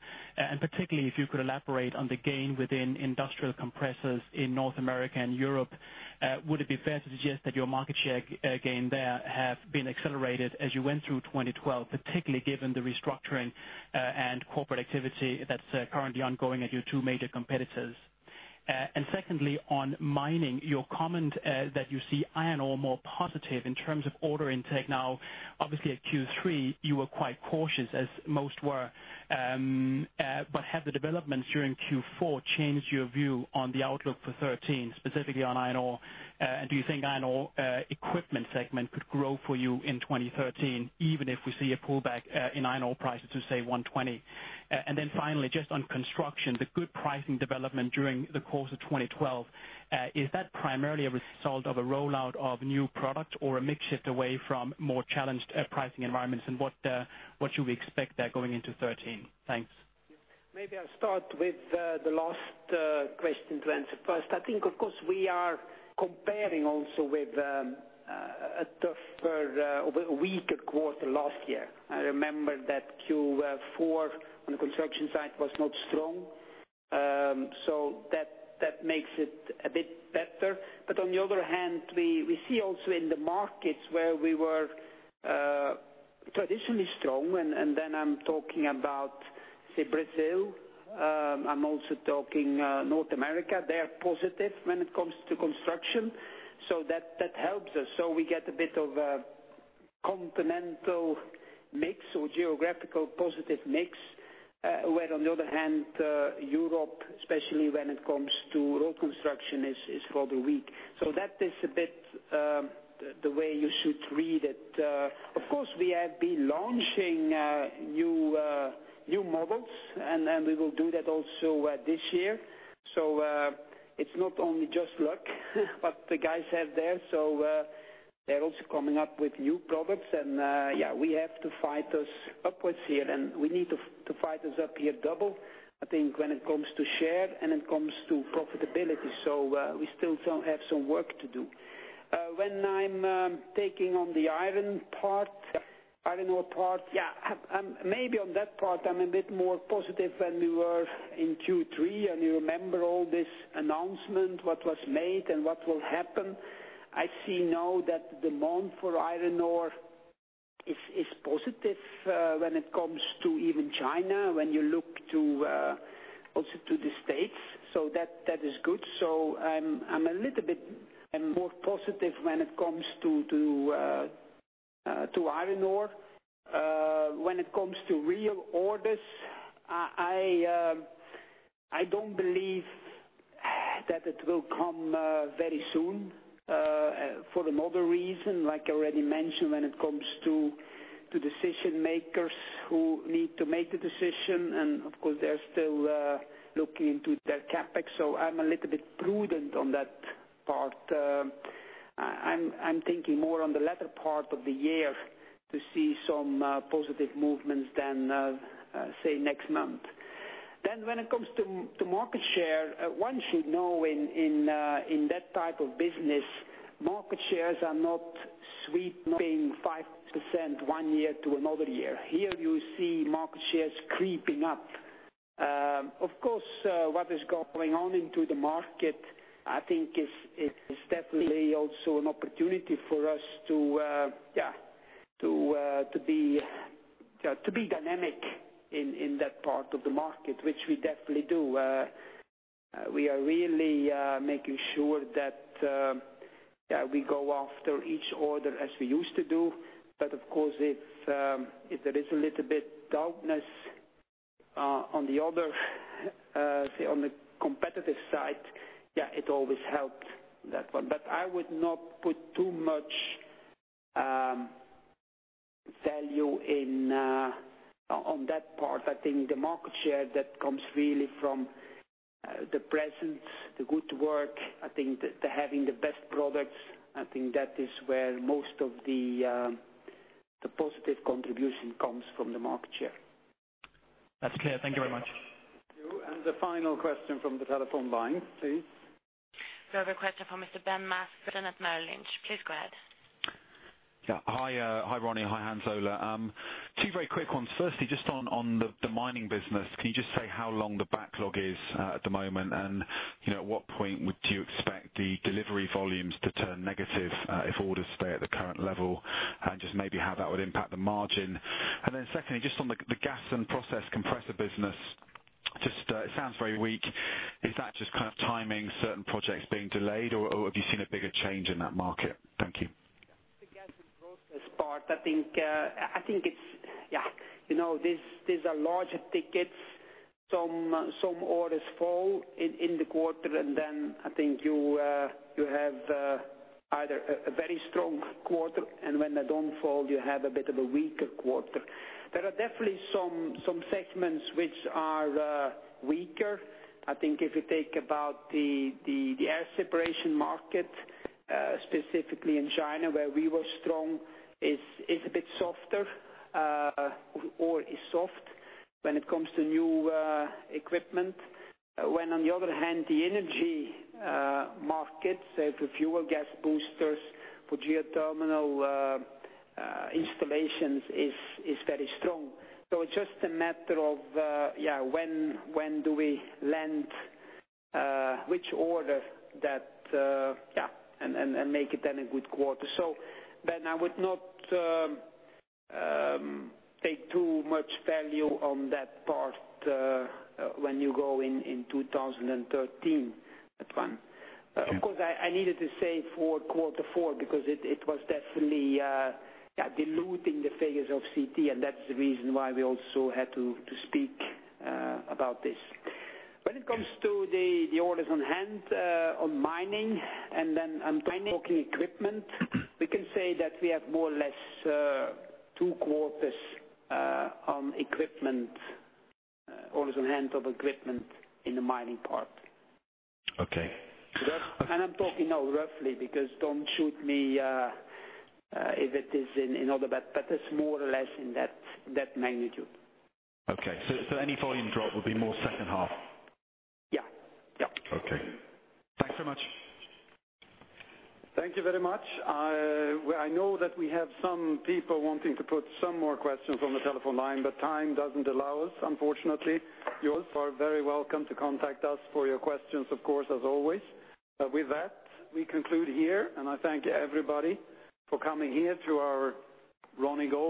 Particularly, if you could elaborate on the gain within industrial compressors in North America and Europe. Would it be fair to suggest that your market share gain there have been accelerated as you went through 2012, particularly given the restructuring and corporate activity that's currently ongoing at your two major competitors? Secondly, on mining, your comment that you see iron ore more positive in terms of order intake. Now, obviously at Q3, you were quite cautious as most were. Have the developments during Q4 changed your view on the outlook for 2013, specifically on iron ore? Do you think iron ore equipment segment could grow for you in 2013, even if we see a pullback in iron ore prices to, say, 120? Finally, just on construction, the good pricing development during the course of 2012, is that primarily a result of a rollout of new product or a mix shift away from more challenged pricing environments? What should we expect there going into 2013? Thanks. Maybe I'll start with the last question to answer first. I think, of course, we are comparing also with a tougher, weaker quarter last year. I remember that Q4 on the construction side was not strong. That makes it a bit better. On the other hand, we see also in the markets where we were traditionally strong, and then I'm talking about, say, Brazil. I'm also talking North America. They are positive when it comes to construction. That helps us. We get a bit of a continental mix or geographical positive mix, where on the other hand, Europe, especially when it comes to road construction, is rather weak. That is a bit the way you should read it. Of course, we have been launching new models, and we will do that also this year. It's not only just luck what the guys have there. They're also coming up with new products and we have to fight those upwards here, and we need to fight this up here double, I think, when it comes to share and it comes to profitability. We still have some work to do. When I'm taking on the iron ore part. Maybe on that part, I'm a bit more positive than we were in Q3. You remember all this announcement, what was made and what will happen. I see now that demand for iron ore is positive when it comes to even China, when you look also to the States. That is good. I'm a little bit more positive when it comes to iron ore. When it comes to real orders, I don't believe that it will come very soon for another reason, like I already mentioned, when it comes to decision makers who need to make the decision, and of course, they're still looking into their CapEx. I'm a little bit prudent on that part. I'm thinking more on the latter part of the year to see some positive movements than, say, next month. When it comes to market share, one should know in that type of business, market shares are not sweeping 5% one year to another year. Here you see market shares creeping up. Of course, what is going on into the market, I think is definitely also an opportunity for us to be dynamic in that part of the market, which we definitely do. We are really making sure that we go after each order as we used to do. Of course, if there is a little bit doubt on the other, say, on the competitive side, it always helped that one. I would not put too much value on that part. I think the market share that comes really from the presence, the good work. I think that having the best products, I think that is where most of the positive contribution comes from the market share. That's clear. Thank you very much. Thank you. The final question from the telephone line, please. We have a question from Mr. Ben Maslen from Merrill Lynch. Please go ahead. Hi, Ronnie. Hi, Hans Ola. Two very quick ones. Firstly, just on the mining business, can you just say how long the backlog is at the moment? At what point would you expect the delivery volumes to turn negative, if orders stay at the current level, and just maybe how that would impact the margin? Secondly, just on the Gas and Process compressor business, it sounds very weak. Is that just timing certain projects being delayed, or have you seen a bigger change in that market? Thank you. The Gas and Process part, I think these are larger tickets. Some orders fall in the quarter, and then I think you have either a very strong quarter, and when they don't fall, you have a bit of a weaker quarter. There are definitely some segments which are weaker. I think if you take about the air separation market, specifically in China where we were strong, is a bit softer or is soft when it comes to new equipment. On the other hand, the energy markets say for fuel gas boosters, for geothermal installations is very strong. It is just a matter of when do we land which order and make it then a good quarter. Ben, I would not take too much value on that part when you go in 2013, that one. Okay. Of course, I needed to say for quarter four because it was definitely diluting the figures of CT, and that's the reason why we also had to speak about this. When it comes to the orders on hand on mining, and then I'm talking equipment, we can say that we have more or less two quarters on orders on hand of equipment in the mining part. Okay. I'm talking now roughly, because don't shoot me if it is in all of that, but it's more or less in that magnitude. Okay. Any volume drop would be more second half? Yeah. Okay. Thanks so much. Thank you very much. I know that we have some people wanting to put some more questions on the telephone line, but time doesn't allow us, unfortunately. You are very welcome to contact us for your questions, of course, as always. With that, we conclude here, and I thank everybody for coming here to our Ronny goal